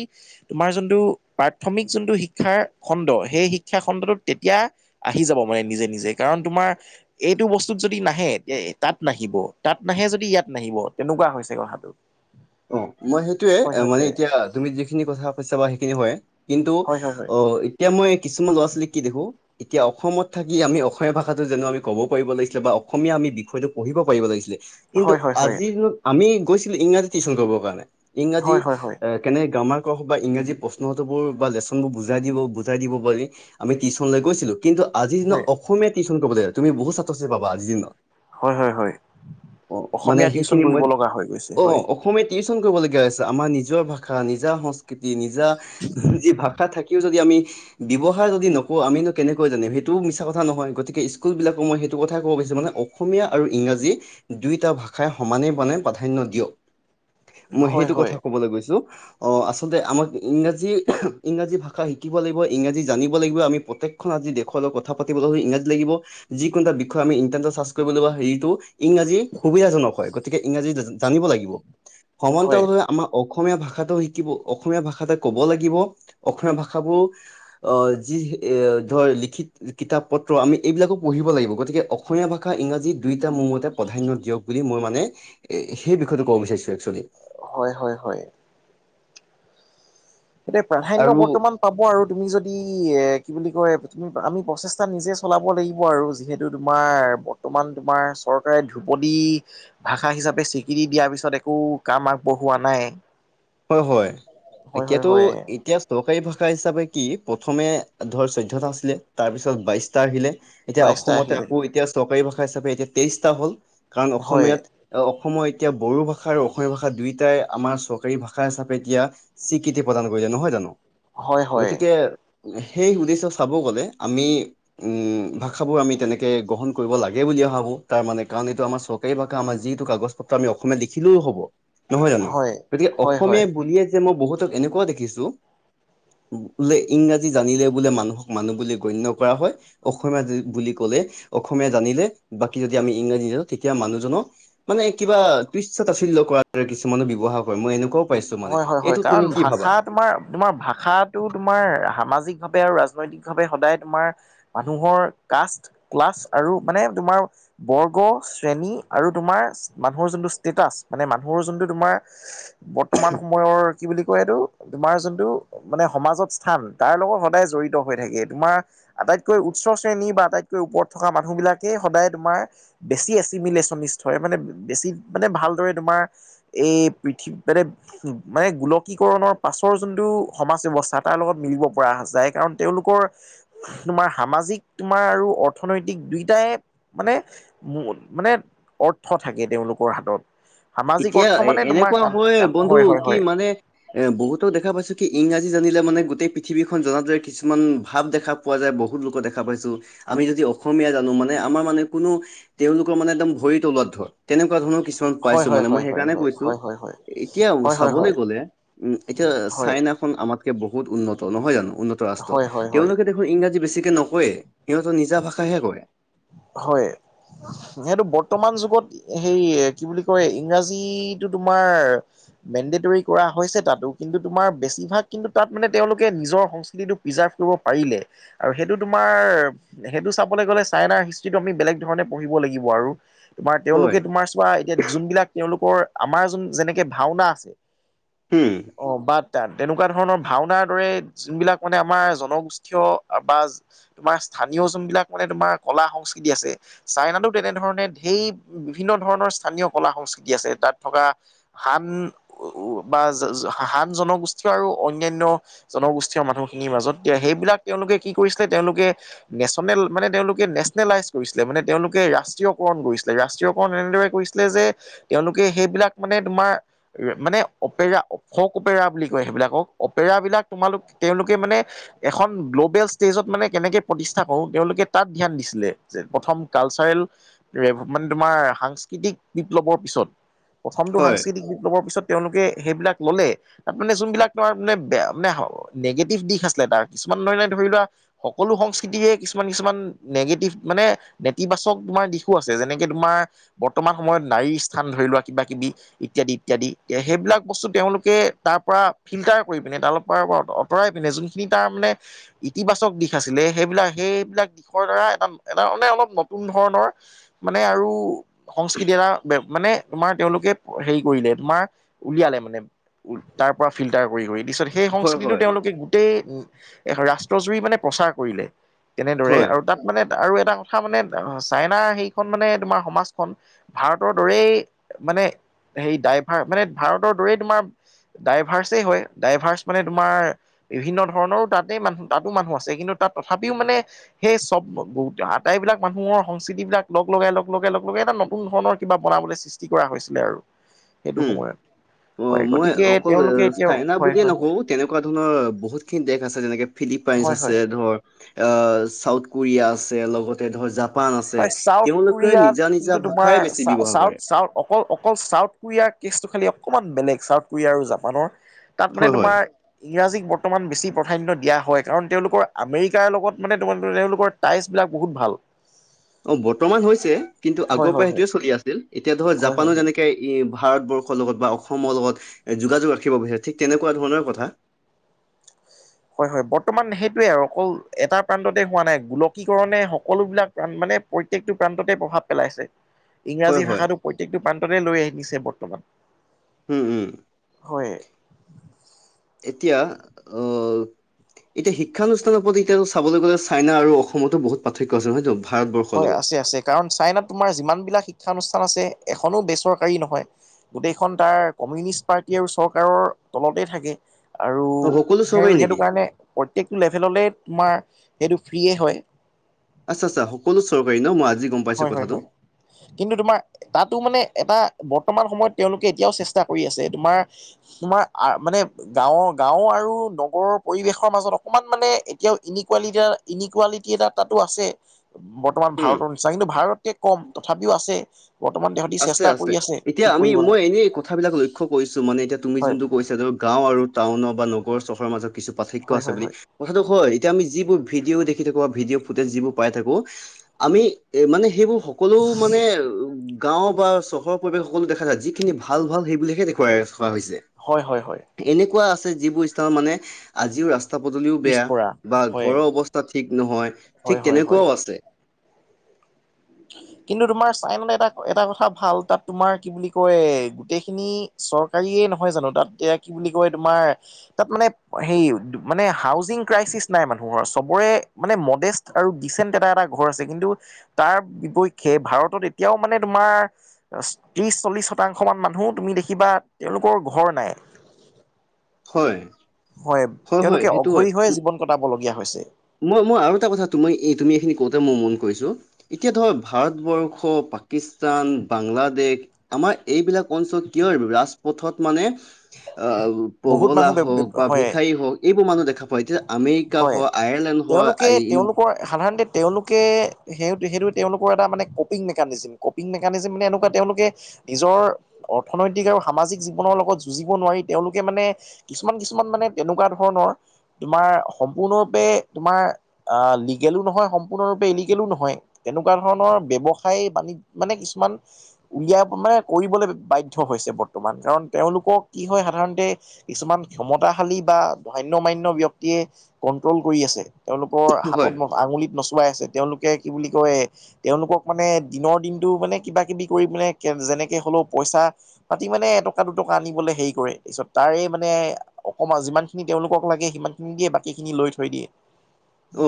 তোমাৰ যোনটো প্ৰাথমিক যোনটো শিক্ষাৰ খণ্ড সেই শিক্ষা খণ্ডটোত তেতিয়া আহি যাব মানে নিজে নিজে কাৰণ তোমাৰ এইটো বস্তুত যদি নাহে তেতিয়া তাত নাহিব তাত নাহে যদি ইয়াত নাহিব তেনেকুৱা হৈছে কথাটো। *inaudible* অ মই সেইটোয়ে হয় হয় মানে হয় এতিয়া তুমি যিখিনি কথা কৈছা বা সেইখিনি হয়। কিন্তু হয় হয় অ এতিয়া মই কিছুমান ল'ৰা ছোৱালী কি দেখো এতিয়া অসমত থাকি আমি অসমীয়া ভাষাটো যেনো আমি ক'ব পাৰিব লাগিছিলে বা অসমীয়া আমি বিষয়টো পঢ়িব পাৰিব লাগিছিলে। কিন্তু হয় হয় হয় হয় আজিৰ দিনত আমি গৈছিলো ইংৰাজী টিউচন কৰিবৰ কাৰণে, ইংৰাজী হয় হয় হয়। এ কেনে গ্ৰামাৰ ক হওক বা ইংৰাজী প্ৰশ্নটোবোৰ বা লেচনবোৰ বুজাই দিব বুজাই দিব পোৱাকে আমি টিউশন লৈ গৈছিলো কিন্তু আজি দিন হয়, অসমীয়া টিউশ্যন কৰিবব লাগে তুমি বহুত ছাত্ৰ ছাত্ৰী পাবা আজি দিনত। হয় হয় হয় অ মানে অসমীয়া টিউচন সেইখিনি কৰিব মই লগা হৈ গৈছে অ হয়। অসমীয়া টিউচন কৰিবলগীয়া হৈছে আমাৰ নিজৰ ভাষা নিজা সংস্কৃতি নিজা যি ভাষা থাকে। ই যদি আমি ব্যৱহাৰ যদি নকওঁ আমো কেনেকৈ জানিম সেইটো মিচা কথা নহয় গতিকে স্কুল বিলাকক মই সেইটো কথা কব গৈছো মানে অ অসমীয়া আৰু ইংৰাজী দুয়োটা ভাষাই সমানে মানে প্ৰাধান্য দিয়ক। মই হয়, সেইটো হয়, কথা কবলৈ গৈছো অ আচলতে আমাক ইংৰাজী ইংৰাজী ভাষা শিকিব লাগিব ইংৰাজী জানিব লাগিব আমি প্ৰত্যেক। আজি দেশৰ লগত কথা পাতিবলৈ ইংৰাজী লাগিব যিকোন এটা বিষয় আমি ইন্টাৰনেট চাৰ্চ কৰিব লাগ হেৰিটো। ইংৰাজী সুবিধাজনক হয় গতিকে ইংৰাজী জানিব লাগিব হয়, সমান্তলাৱে। আমাৰ অসমীয়া ভাষাটো শিকিব অসমীয়া ভাষাতে ক'ব লাগিব, অসমীয়া ভাষাবোৰ। অ যি এ ধৰ লিখিত কিতাপ পত্ৰ আমি এইবিলাকো পঢ়িব লাগিব গতিকে। অসমীয়া ভাষা ইংৰাজী দুইটা মোৰম তে প্ৰাধান্য দিয়ক বুলি মই মানে এ সেই বিষয়টো ক'ব বিচাৰিছো একচোৱেলি হয় হয় হয় এতিয়া প্ৰাধান্য আৰু বৰ্তমান পাব আৰু তুমি যদি এ কি বুলি কয় তুমি আমি প্ৰচেষ্টা নিজে চলাব লাগিব আৰু যিহে তু তোমাৰ বৰ্তমান তোমাৰ চৰকাৰে ধ্ৰুপদী ভাষা হিচাপে স্বীকৃতি দিয়াৰ পিছত একো কাম আগবঢ়োৱা নাই। হয় হয় হয়, হয়, এতিয়াতো হয়, এতিয়া চৰকাৰী ভাষা হিচাপে কি প্ৰথমে ধৰ চৈধ্যটা আছিলে তাৰপিছত বাইশটা আহিলে এতিয়া বাইশটা অসমতে আহিলে আকৌ এতিয়া চৰকাৰী ভাষা হিচাপে এতিয়া তেইশটা হ'ল, কাৰণ হয়, অসমীয়াত। অসমৰ এতিয়া বড়ো ভাষা আৰু অসমীয়া ভাষা দুয়োটাই আমাৰ চৰ কাৰি ভাষা হিচাপে, এতিয়া স্বীকৃতি প্ৰদান কৰিছে নহয় জানো হয়, হয়, গতিকে। সেই উদ্দেশ্য চাব গ'লে আমি। উ ভাষাবোৰ আমি তেনেকে গ্ৰহণ কৰিব লাগে বুলি ভাবোঁ তাৰ মানে কাৰণ এইটো আমাৰ চৰ কাৰি ভাষা আমাৰ যিটো কাগজ পত্ৰ আমি অসমীয়াাত লিখিলেও হ'ব, নহয় জানো। হয়, হয়, হয়। অসমীয়াই বুলিয়ে যে মই বহুতক এনেকুৱাও দেখিছো। বোলে ইংৰাজী জানিলে বোলে মানুহক মানুহ বুলি গণ্য কৰা হয়। অসমীয়া বুলি কলে অসমীয়া জানিলে বাকী যদি আমি ইংৰাজী নেজানো তেতিয়া মানুহজনক। মানে কিবা তুশ্য তাছোলিয় কৰা দৰে কিছুমানে ব্যৱহাৰ কৰে মই এনেকুৱাও। পাইছো মানে হয় হয় হয় এইটো কাৰণ তুমি কি ভাষা ভাবা। তোমাৰ তোমাৰ ভাষাটো তোমাৰ সামাজিক ভাৱে আৰু ৰাজনৈতিক ভাৱে সদায় তোমাৰ মানুহৰ কাষ্ট, ক্লাছ আৰু মানে তোমাৰ বৰ্গ শ্ৰেণী আৰু তোমাৰ মানুহৰ যোনটো ষ্টেটাচ মানে মানুহৰ যোনটো তোমাৰ বৰ্তমান সময়ৰ কি বুলি কয় এইটো তোমাৰ যোনটো মানে সমাজত স্থান তাৰ লগত সদায় জড়িত হৈ থাকে তোমাৰ। আটাইতকৈ উচ্চ শ্ৰেণী বা আটাইতকৈ ওপৰত থকা মানুহবিলাকেই সদায় তোমাৰ। বেছি এচিবিলেচন হয় মানে বেছি মানে ভালদৰে তোমাৰ। এই পৃথি মানে। মানে গোলকীকৰণৰ পাছৰ যোনটো সমাজ ব্যৱস্থা তাৰ লগত মিলিব পৰা যায় কাৰণ। তেওঁলোকৰ, তোমাৰ সামাজিক তোমাৰ, আৰু অৰ্থনৈতিক দুয়টাই মানে মোন মানে, অৰ্থ থাকে তেওঁলোকৰ হাতত। সামাজিক এতিয়া অৰ্থ এ মানে তোমাৰ এনেকুৱা কাম হয় কাম। বন্ধু হয় হয় কি হয় মানে এ বহুতো দেখা পাইছো কি ইংৰাজী জানিলে মানে গোটেই পৃথিৱীখন জনা যায় কিছুমান ভাৱ দেখা পোৱা যায় বহুত লোকক দেখা পাইছো আমি যদি অসমীয়া জানো মানে আমাৰ মানে কোনো তেওঁলোকৰ মানে একদম ভৰি তলত ধৰ। তেনেকুৱা ধৰণৰ কিছুমান পাইছ- মই হয় হয় মানে হয় হয় সেইকাৰণে কৈছোঁ হয় হয় হয় এতিয়া হয় হয় হয় চাবলে গলে চাইনা। আমাতকে বহুত উন্নত নহয় জানো উন্নত ৰাষ্ট্ৰ। হয় হয় হয় হয় তেওঁলোকে দেখোন ইংৰাজী বেছিকে নকয়ে সিহঁতৰ নিজা ভাষাহে কয়। হয়। সেইটো বৰ্তমান যুগত সেই কি বুলি কয় ইংৰাজীটো তোমাৰ মেণ্ডেটৰী কৰা হৈছে তাতো কিন্তু তোমাৰ বেছিভাগ কিন্তু তাত মানে তেওঁলোকে নিজৰ সংস্কৃতিটো প্ৰিজাৰ্ভ কৰিব পাৰিলে আৰু সেইটো তোমাৰ সেইটো চাবলে গ'লেছ চাইনাৰ হিষ্টৰিটো আমি বেলেগ ধৰণে পঢ়িব লাগিব আৰু তোমাৰ হয় লোকে তোমাছ পোৱা এতিয়া যোনবিলাক তেওঁলোকৰ আমাৰ যোন যেনেকে ভাওনা আছে। হুম। অ বাটদান তেনেকুৱা ধৰণৰ ভাওনাৰ দৰে যোনবিলাক মানে আমাৰ জনগোষ্ঠীয় বা তোমাৰ স্থানীয় যোনবিলাক মানে তোমাৰ কলা সংস্কৃতি আছে, চাইনাতো তেনেধৰণে ঢেই বিভিন্ন ধৰণৰ স্থানীয় কলা সংস্কৃতি আছে তাত থকা হান বা হান জনগোষ্ঠী আৰু অন্যান্য জনগোষ্ঠীয় মানুহখিনিৰ মাজত এতিয়া সেইবিলাক তেওঁলোকে কি কৰিছিলে তেওঁলোকে নেশ্যনেল মানে তেওঁলোক নেচনেলাইজ কৰিছিলে মানে তেওঁলোকে ৰাষ্ট্ৰীয়কৰণ কৰিছিলে ৰাষ্ট্ৰীয়কৰণ এনেদৰে কৰিছিলে যে তেওঁলোকে সেইবিলাক মানে তোমাৰ মানে অপেৰা অশক অপেৰা বুলি কয় সেইবিলাকক অপেৰা বিলাক তোমালোক তেওঁলোকে মানে এখন গ্ল'বেল ষ্টেজত মানে কেনেকে প্ৰতিষ্ঠা কৰো তেওঁলোকে তাত ধ্যান দিছিলে যে প্ৰথম কালচাৰেল ৰেভ মানে তোমাৰ সাংস্কৃতিক বিপ্লৱৰ পিছত প্ৰথমটো হয় সাংস্কৃতিক বিপ্লৱৰ পিছত। তেওঁলোকে সেইবিলাক ল'লে তাত মানে যোনবিলাক তাৰ মানে মানে নিগেটিভ দিশ আছিলে তাৰ কিছুমান ধৰণে ধৰি লোৱা সকলো সংস্কৃতিয়ে কিছুমান কিছুমান নিগেটিভ মানে নেতিবাচক তোমাৰ দিশো আছে। যেনেকে তোমাৰ বৰ্তমান সময়ত নাৰীৰ স্থান ধৰি লোৱা কিবা কিবি ইত্যাদি ইত্যাদি সেইবিলাক বস্তু তেওঁলোকে তাৰ পৰা ফিল্টাৰ কৰি পিনে তাল পাৰ অ'ত অত পৰাই পিনে যোনখিনি তাৰ মানে ইতিবাচক দিশ আছিলে সেইবিলাক সেইবিলাক দ্বাৰা এটা এটা মানে অলপ নতুন ধৰণৰ মানে আৰু। সংস্কৃতি এটা মানে তোমাৰ তেওঁলোকে হেৰি কৰিলে তোমাৰ উলিয়ালে মানে। তাৰ পৰা ফিল্টাৰ কৰি কৰি দিছ দে- সেই হয় সংস্কৃতিটো হয় তেওঁলোকে গোটেই ৰাষ্ট্ৰজুৰি মানে প্ৰচাৰ কৰিলে। তেনেদৰে হয় আৰু তাত মানে আৰু এটা কথা মানে চাইনাৰ সেইখন মানে তোমাৰ সমাজখন ভাৰতৰ দৰেই মানে হেই ডাইভাৰ মানে ভাৰতৰ দৰেই তোমাৰ ডাইভাৰ্চে হয় ডাইভাৰ্চ মানে তোমাৰ বিভিন্ন ধৰণৰো তাতে তাতো মানুহ আছে কিন্তু তাত তথাপিও মানে সেই চব বহুতে আটাইবিলাক মানুহৰ সংস্কৃতি বিলাক লগ লগাই -লগ লগাই - লগ লগাই এটা নতুন ধৰণৰ কিবা বনাবলৈ চে সৃষ্টি কৰা হৈছিলে আৰু। সেইটো হুম সময়ত অ হয় মই গতিকে অকল এ তেওঁলোকে এতিয়াও, চাইনা হয় বুলিয়ে হয় হয়। নকওঁ তেনেকুৱা ধৰণৰ বহুতখিনি দেশ আছে যেনেকৈ ফিলিপাইনছ হয় হয় আছে ধৰ চাউথ কোৰিয়া আছে লগতে ধৰ জাপ- হয় চাউথ কোৰিয়া কিন্তু ভাষাই তোমাৰ বেছি ব্যৱহাৰ চাউ কৰে চাউথ অকল অকল চাউথ কোৰিয়াৰ কেচটো খালি অকণমান বেলেগ চাউথ কোৰিয়া আৰু জাপানৰ। তাত মানে হয় হয় তোমাৰ ইংৰাজীক বৰ্তমান বেছি প্ৰধান্য দিয়া হয় কাৰণ তেওঁলোকৰ আমেৰিকাৰ লগত মানে *unintelligible* তেওঁলোকৰ তায়েচ বিলাক বহুত ভাল। অ, বৰ্তমান হৈছে কিন্তু হয় আগৰ হয় পৰা হয় সেইটোয়ে চলি আছিল এতিয়া ধৰ হয় হয় জাপানো হয় যেনেকে ইয়ে ভাৰতবৰ্ষৰ লগত বা অসমৰ লগত যোগাযোগ ৰাখিব বিচাৰে ঠিক তেনেকুৱা ধৰণৰে কথা। হয়- হয় বৰ্তমান সেইটোৱে আৰু অকল এটা প্ৰান্ততে হোৱা নাই গোলকীকৰণে সকলোবিলাক প্ৰাণ মানে প্ৰত্যেকটো প্ৰান্ততে প্ৰভাৱ পেলাইছে। হয় ইংৰাজী হয় ভাষাটো প্ৰত্যেকটো প্ৰান্ততে লৈ আহিছে বৰ্তমান। উম- উম হয়। এতিয়া অ এতিয়া শিক্ষানুষ্ঠানৰ ওপৰত এতিয়া চাবলৈ গ'লে চাইনা আৰু অসমতো বহুত পাৰ্থক্য আছে হয়তো হয় আছে- আছে কাৰণ চাইনাত তোমাৰ যিমান বিলাক শিক্ষানুষ্ঠান আছে এখনো বেচৰকাৰী নহয়। গোটেইখন তাৰ কমিউনিষ্ট পাৰ্টী আৰু চৰকাৰৰ তলতে থাকে। আৰু অ সকলো সেই চৰকাৰী -সেইটো নেকি কাৰণে প্ৰত্যেকটো লেভেললে তোমাৰ সেইটো ফ্ৰিয়ে হয়। আচ্ছ -আচ্চা সকলো চৰকাৰী ন' মই আজি গম পাইছো হয় -হয় কথাটো -হয় কিন্তু তোমাক তাতো মানে এটা বৰ্তমান সময়ত তেওঁলোকে এতিয়াও চেষ্টা কৰি আছে তোমাৰ তোমাৰ আ মানে গাঁৱৰ গাঁও আৰু নগৰৰ পৰিৱেশৰ মাজত অকণমান মানে এতিয়াও ইনিকুৱালিটা ইনিকুৱালিটি এটা তাতো আছে বট বৰ্তমান উম ভাৰতৰ নিচিনা কিন্তু ভাৰতকে কম তথাপিও আছে। বৰ্তমান তেহঁতি চেষ্টা আছে-আছে কৰি আছে এতিয়া ঠিক আমি কৰিবলৈ মই এনেই কথাবিলাক লৈ লক্ষ্য কৰিছোঁ মানে এতিয়া তুমি হয় যোনটো কৈছা *unintelligible* গাঁও আৰু টাউনৰ বা নগৰৰ চহৰৰ মাজত কিছু পাৰ্থক্য হয় আছে হয় বুলি হয় কথাটো হয় এতিয়া আমি যিবোৰ ভিডিঅ' দেখি থাকো বা ভিডিঅ' ফুটেজ যিবোৰ পাই থাকো আমি এ মানে সেইবোৰ সকলো মানে গাঁও বা চহৰৰ পৰিৱেশ সকলো দেখা যায় যিখিনি ভাল- ভাল সেইবিলাকহে দেখুৱাই থকা হৈছে। হয় -হয় - হয়। এনেকুৱা আছে যিবোৰ স্থান মানে আজিও ৰাচ ৰাস্তা পদুলিও বেয়া পিছপৰা বা হয় ঘৰৰ অৱস্থা ঠিক নহয় হয় ঠিক হয় হয় তেনেকুৱাওঁ আছে। কিন্তু তোমাৰ চাই মানে এটা- এটা কথা ভাল তাত তোমাৰ কি বুলি কয় গোটেইখিনি চৰকাৰীয়ে নহয় জানো তাত এতিয়া কি বুলি কয় তোমাৰ তাত মানে সেই মানে হাউজিং ক্ৰাইচিছ নাই মানুহৰ চবৰে মানে মডেষ্ট আৰু ডিচেণ্ট এটা -এটা ঘৰ আছে কিন্তু তাৰ বিপক্ষে ভাৰতত এতিয়াও মানে তোমাৰ ক্ৰিছ, চল্লিছ শতাংশ মান মানুহ তুমি দেখিবা তেওঁলোকৰ ঘৰ নাই। *inaudible* হয়। হয় হয় তেওঁলোকে সেইটো হয়। অঘৰী হৈয়ে জীৱন কটাবলগীয়া হৈছে। মই -মই আৰু এটা কথা মই এই তুমি এইখিনি কওঁতে মই মন কৰিছোঁ এতিয়া ধৰ ভাৰতবৰ্ষ, পাকিস্তান, বাংলাদেশ আমাৰ এইবিলাক অঞ্চলত কিয় ৰাজপথত মানে *unintelligible* বহুত মানুহ পগলা হওঁক বা হয় ভিক্ষাৰী হওঁক এইবোৰ মানুহ দেখা পাও। এতিয়া আমে ৰিকা হয় হ, আয়াৰলেণ্ড তেওঁলোকে হয় তেওঁলোকৰ সাধাৰণতে তেওঁলোকে সেই- সেইটো তেওঁলোকৰ এটা মানে কপিং মেকানিজিম। কপিং মেকানিজিম মানে এনেকুৱা তেওঁলোকে নিজৰ অৰ্থনৈতিক আৰু সামাজিক জীৱনৰ লগত যুঁজিব নোৱাৰি তেওঁলোকে মানে কিছুমান- কিছুমান মানে তেনেকুৱা ধৰণৰ তোমাৰ সম্পূৰ্ণৰূপে তোমাৰ অ, লিগেলো নহয় সম্পূৰ্ণৰূপে ইলিগেলো নহয়। তেনেকুৱা ধৰণৰ ব্যৱসায় বাণি মানে কিছুমান উলিয়াব মানে কৰিবলৈ বাধ্য হৈছে বৰ্তমান। কাৰণ তেওঁলোকক কি হয় সাধাৰণতে কিছুমান ক্ষমতাশালী বা ধন্য মান্য ব্যক্তিয়ে কণ্ট্ৰল কৰি আছে। তেওঁলোকৰ হয় হাতত আঙুলিত নচুৱাই আছে। তেওঁলোকে কি বুলি কয় তেওঁলোকক মানে দিনৰ দিনটো মানে, কিবা কিবি কৰি মানে যেনেকে হলেও পইচা পাতি মানে এটকা দুটকা আনিবলৈ হেৰি কৰে। তাৰপিছত তাৰে মানে অকমান যিমানখিনি তেওঁলোকক লাগে, সিমানখিনি দিয়ে বাকীখিনি লৈ থৈ দিয়ে। অ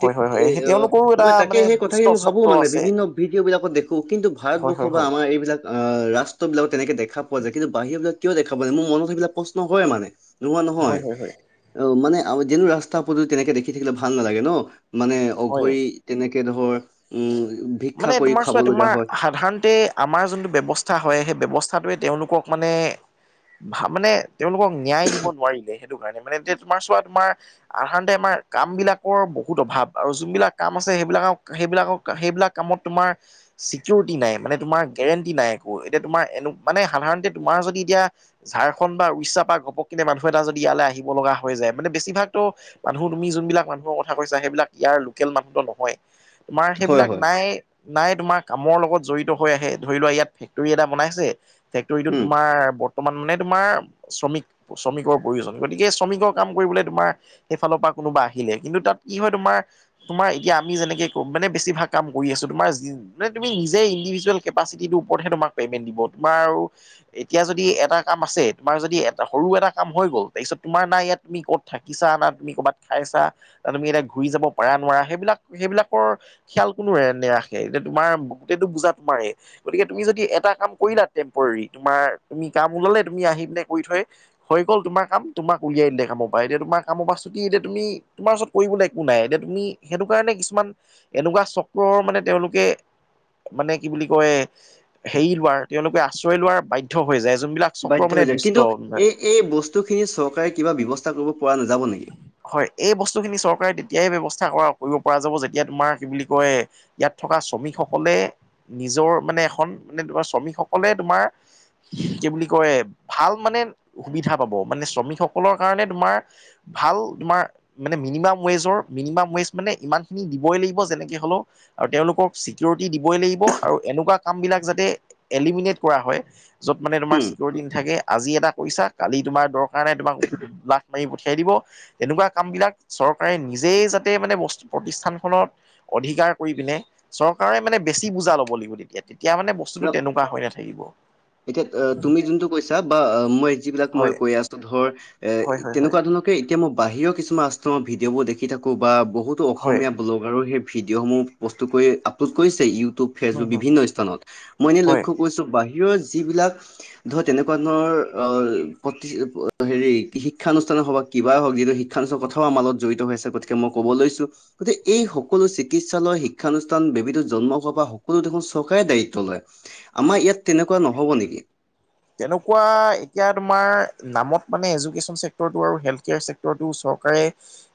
ঠিক হয় হয় এ সেই অ তেওঁলোকৰো এটা মই তাকে মানে সেই দুষ্ট কথাখিনি মই ভাবো চক্ৰ মানে আছে বিভিন্ন ভিডিঅ' বিলাকত দেখো। কিন্তু হয় ভাৰতবৰ্ষ হয় বা হয় আমাৰ এইবিলাক অহ ৰাষ্ট্ৰ বিলাকত তেনেকে দেখা পোৱা যায়, কিন্তু বাহিৰৰ বিলাক কিয় দেখা পোৱা যায় মোৰ মনত সেবিলাক প্ৰশ্ন হয় মানে। নোহোৱা হয় নহয়। হয় হয় অ মানে যেন ৰাস্তা পদূলি তেনেকে দেখি থাকিলে ভাল নালাগে ন। মানে হয় অঘৰি তেনেকে ধৰ উম। ভিক্ষা মানে কৰি তোমাৰ খাব চোৱা লগীয়া তোমাৰ হয় সাধাৰণতে আমাৰ যোনটো ব্যৱস্থা হয় সেই ব্যৱস্থাটোৱে তেওঁলোকক মানে ভা মানে তেওঁলোকক ন্যায় দিব নোৱাৰিলে সেইটো কাৰণে মানে এতিয়া তোমাৰ চোৱা তোমাৰ আ সাধাৰণতে আমাৰ কাম বিলাকৰ বহুত অভাৱ আৰু যোনবিলাক কাম আছে সেইবিলাকক সেইবিলাকক সেইবিলাক কামত তোমাৰ চিকিউৰিটি নাই মানে তোমাৰ গেৰেণ্টি নাই একো। এতিয়া তোমাৰ মানে সাধাৰণতে তোমাৰ যদি এতিয়া ঝাৰখণ্ড বা উৰিষ্যা পৰা ঘপক কিনে মানুহ এটা যদি ইয়ালৈ আহিব লগা হৈ যায় মানে বেছিভাগতো মানুহ তুমি যোনবিলাক মানুহৰ কথা কৈছা, সেইবিলাক ইয়াৰ লোকেল মানুহতো নহয়। তোমাৰ হয় সেইবিলাক হয় নাই তোমাৰ কামৰ লগত জড়িত হৈ আহে, ধৰি লোৱা ইয়াত ফেক্টৰী এটা বনাইছে ফেক্টৰীটো উম তোমাৰ বৰ্তমান মানে তোমাৰ শ্ৰমিক শ্ৰমিকৰ প্ৰয়োজন। গতিকে গতিকে শ্ৰমিকৰ কাম কৰিবলৈ তোমাৰ সেইফালৰ পৰা কোনোবা আহিলে কিন্তু তাত কি হয় তোমাৰ-তোমাৰ, এতিয়া আমি যেনেকে কম মানে বেছিভাগ কাম কৰি আছো তোমাৰ মান তুমি নিজে ইণ্ডিভিজুৱেল কেপাচিটিটোৰ ওপৰতহে তোক পে'মেণ্ট দিব তোমাৰ আৰু এতিয়া যদি এটা কাম আছে, তোমাৰ যদি এ সৰু এটা কাম হৈ গ'ল। তাৰপিছত তোমাৰ না ইয়াত তুমি ক'ত থাকিছা না তুমি কৰ'বাত খাইছা তুমি এতিয়া ঘূৰি যাব পাৰা নোৱাৰা, সেইবিলাক সেইবিলাকৰ খিয়াল কোনো নেৰাখে। এতিয়া তোমাৰ গোটেইটো বুজা তোমাৰে গতিকে তুমি যদি এটা কাম কৰিলা টেম্পৰৰী, তোমাৰ তুমি কাম ওলালে তুমি আহি পিনে কৰি থৈ হৈ গ'ল তোমাৰ কাম তোমাক উলিয়াই দিলে কামৰ পৰা। এতিয়া তোমাৰ কামৰ পৰা ছুটি এতিয়া তুমি তোমাৰ ওচৰত কৰিবলৈ একো নাই, এতিয়া তুমি সেইটো কাৰণে কিছুমান এনেকুৱা চক্কৰৰ মানে তেওঁলোকে মানে কি বুলি কয় হেৰি হোৱাৰ, তেওঁলোকে আশ্ৰয় লোৱাৰ বাধ্য হৈ যায়, যোনবিলাক চক্ৰ বাধ্য মানে হৈ যায়। দুষ্ট কিন্তু এই এই বস্তু খিনি চৰকাৰে কিবা ব্যৱস্থা কৰিব পৰা নাযাব নেকি? হয়, এই বস্তুখিনি চৰকাৰে তেতিয়াই ব্যৱস্থা কৰা কৰিব পৰা যাব, যেতিয়া তোমাৰ কি বুলি কয় ইয়াত থকা শ্ৰমিকসকলে নিজৰ মানে এখন, মানে তোমাৰ শ্ৰমিকসকলে তোমাৰ কি বুলি কয় ভাল মানে সুবিধা পাব, মানে শ্ৰমিকসকলৰ কাৰণে তোমাৰ ভাল তোমাৰ মানে মিনিমাম ৱেজৰ, মিনিমাম ৱেজ মানে ইমানখিনি দিবই লাগিব যেনেকে হ'লেও আৰু তেওঁলোকক চিকৰিটি দিবই লাগিব, আৰু এনেকুৱা কাম বিলাক যাতে এলিমিনেট কৰা হয় য'ত মানে তোমাৰ উম চিকৰিটি নাথাকে, আজি এটা কৰিছা কালি তোমাৰ দৰকাৰ নাই তোমাক লাট মাৰি খেদিব এনেকুৱা কামবিলাক চৰকাৰে নিজেই যাতে মানে বস্তু প্ৰতিষ্ঠানখনত অধিকাৰ কৰি পিনে চৰকাৰে মানে বেছি বুজা ল'ব লাগিব তেতিয়া- তেতিয়া মানে বস্তুটো তেনেকুৱা হৈ নাথাকিব। এতিয়া অ, তুমি যোনটো কৈছা বা মই যিবিলাক মই হয় কৈ আছো ধৰ এ হয় হয় হয় তেনেকুৱা ধৰণৰ এতিয়া মই বাহিৰৰ কিছুমান আশ্ৰমৰ ভিডিঅ' বোৰ দেখি থাকো, বা বহুতো হয় হয় অসমীয়া ব্ল আৰু সেই ভিডিঅ'সমূহ প্ৰস্তুত কৰি আপলোড কৰিছে ইউটিউব হয় ফেচবুক হয় বিভিন্ন স্থানত, মই এনে হয় লক্ষ কৰিছো বাহিৰৰ যিবিলাক ধৰা তেনেকুৱা ধৰণৰ আহ প্ৰতি হেৰি শিক্ষানুষ্ঠানৰ সব কিবাই হওক যিটো শিক্ষালোচক কথাও আমাৰ লগত জড়িত হৈ আছে গতিকে মই কব লৈছো গতিকে এই সকলো চিকিৎসালয়, শিক্ষানুষ্ঠান, বেবিটো জন্ম হোৱা পা সকলো দেখোন চৰকাৰে দায়িত্ব লয়। আমাৰ ইয়াত তেনেকুৱা নহ'ব নেকি? তেনেকুৱা এতিয়া তোমাৰ নামত মানে এডুকেচন চেক্টৰটো আৰু হেল্থ কেয়াৰ চেক্টৰটো চৰকাৰে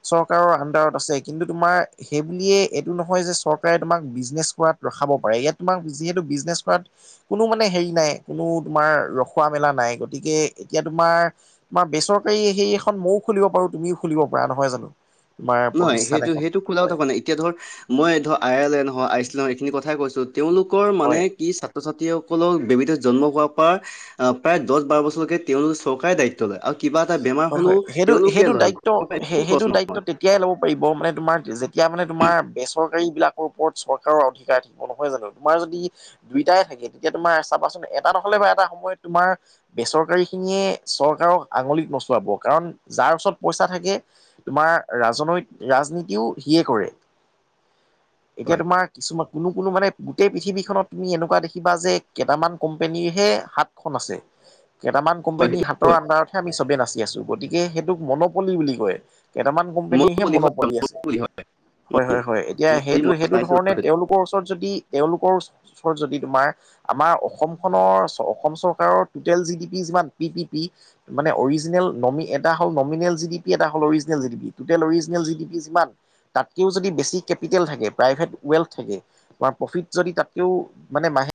চৰকাৰৰ আণ্ডাৰত আছে কিন্তু তোমাৰ সেই বুলিয়ে এইটো নহয় যে চৰকাৰে তোমাক বিজনেছ কৰাত ৰখাব পাৰ ইয়াত তোমাক যিহেতু বিজনেছ কৰাত কোনো মানে হেৰি নাই কোনো তোমাৰ ৰখুৱা মেলা নাই গতিকে এতিয়া তোমাৰ তোমাৰ বেচৰকাৰী সেই এখন মইও খুলিব পাৰো তুমিও খুলিব পাৰা নহয় জানো? তোমাৰ নহয় প্ৰতিষ্ঠান সেইটো- এখন সেইটো খোলাও হয় থকা নাই এতিয়া ধৰ মই ধৰ আয়াৰলেণ্ড হওঁ আইচলেণ্ড এইখিনি কথাই কৈছো তেওঁলোকৰ হয় মানে কি ছাত্ৰ - ছাত্ৰীয়েও সকলৰ বেবিটো জন্ম হোৱাৰ পা আহ প্ৰায় দছ, বাৰ বছৰলৈকে তেওঁলোকৰ চৰকাৰে দায়িত্ব লয় আৰু কিবা এটা বেমাৰ হয় হয় হ'লেও সেইটো তেওঁলোকে লয় ঘৰৰ *unintelligible* একো খৰচ নহয়। এতিয়াই ল'ব পাৰিব মানে তোমাৰ যেতিয়া মানে তোমাৰ বেচৰ কাৰী বিলাকৰ ওপৰত চৰকাৰৰ অধিকাৰ থাকিব নহয় জানো তোমাৰ যদি দুইটাই থাকে তেতিয়া তোমাৰ চাবাচোন এটা নহ'লে বা এটা সময়ত তোমাৰ বেচৰকাৰী খিনিয়ে চৰকাৰক আঙুলিত নচোৱাব কাৰণ যাৰ ওচৰত পইচা থাকে তোমাৰ ৰাজনৈ ৰাজনীতিও সিয়ে কৰে। এতিয়া হয়, তোমাৰ কিছুমান কোনো -কোনো মানে গোটেই পৃথিৱীখনত তুমি এনেকুৱা দেখিবা যে কেইটামান কোম্পেনীৰহে হাতখন আছে। কেইটামান কোম্পেনীৰ সেইটো হাতৰ হয়। আণ্ডাৰতহে আমি চবেই নাচি আছো গতিকে সেইটোক মনপলি বুলি কয় কেইটামান কম্পেনীৰ হে মনোবলি হয়, মনপলি আছে মনোবলি হয়। উম, হয়- হয়- হয় এতিয়া মনোবলি সেইটো মই -সেইটোধৰণে চাইছোঁ তেওঁলোকৰ ওচৰত যদি এওঁলোকৰ ওচৰত যদি তোমাৰ আমাৰ অসমখনৰ অসম চৰকাৰৰ টুটেল জি ডি পি যিমান পি পি পি মানে অৰিজিনেল নমি এটা হল নমিনেল জি ডি পি এটা হল original G D P total original G D P যিমান তাতকেও যদি বেছি কেপিটেল থাকে প্ৰাইভেট ৱেল থাকে বা প্ৰফিত যদি তাতকেও মানে মাহে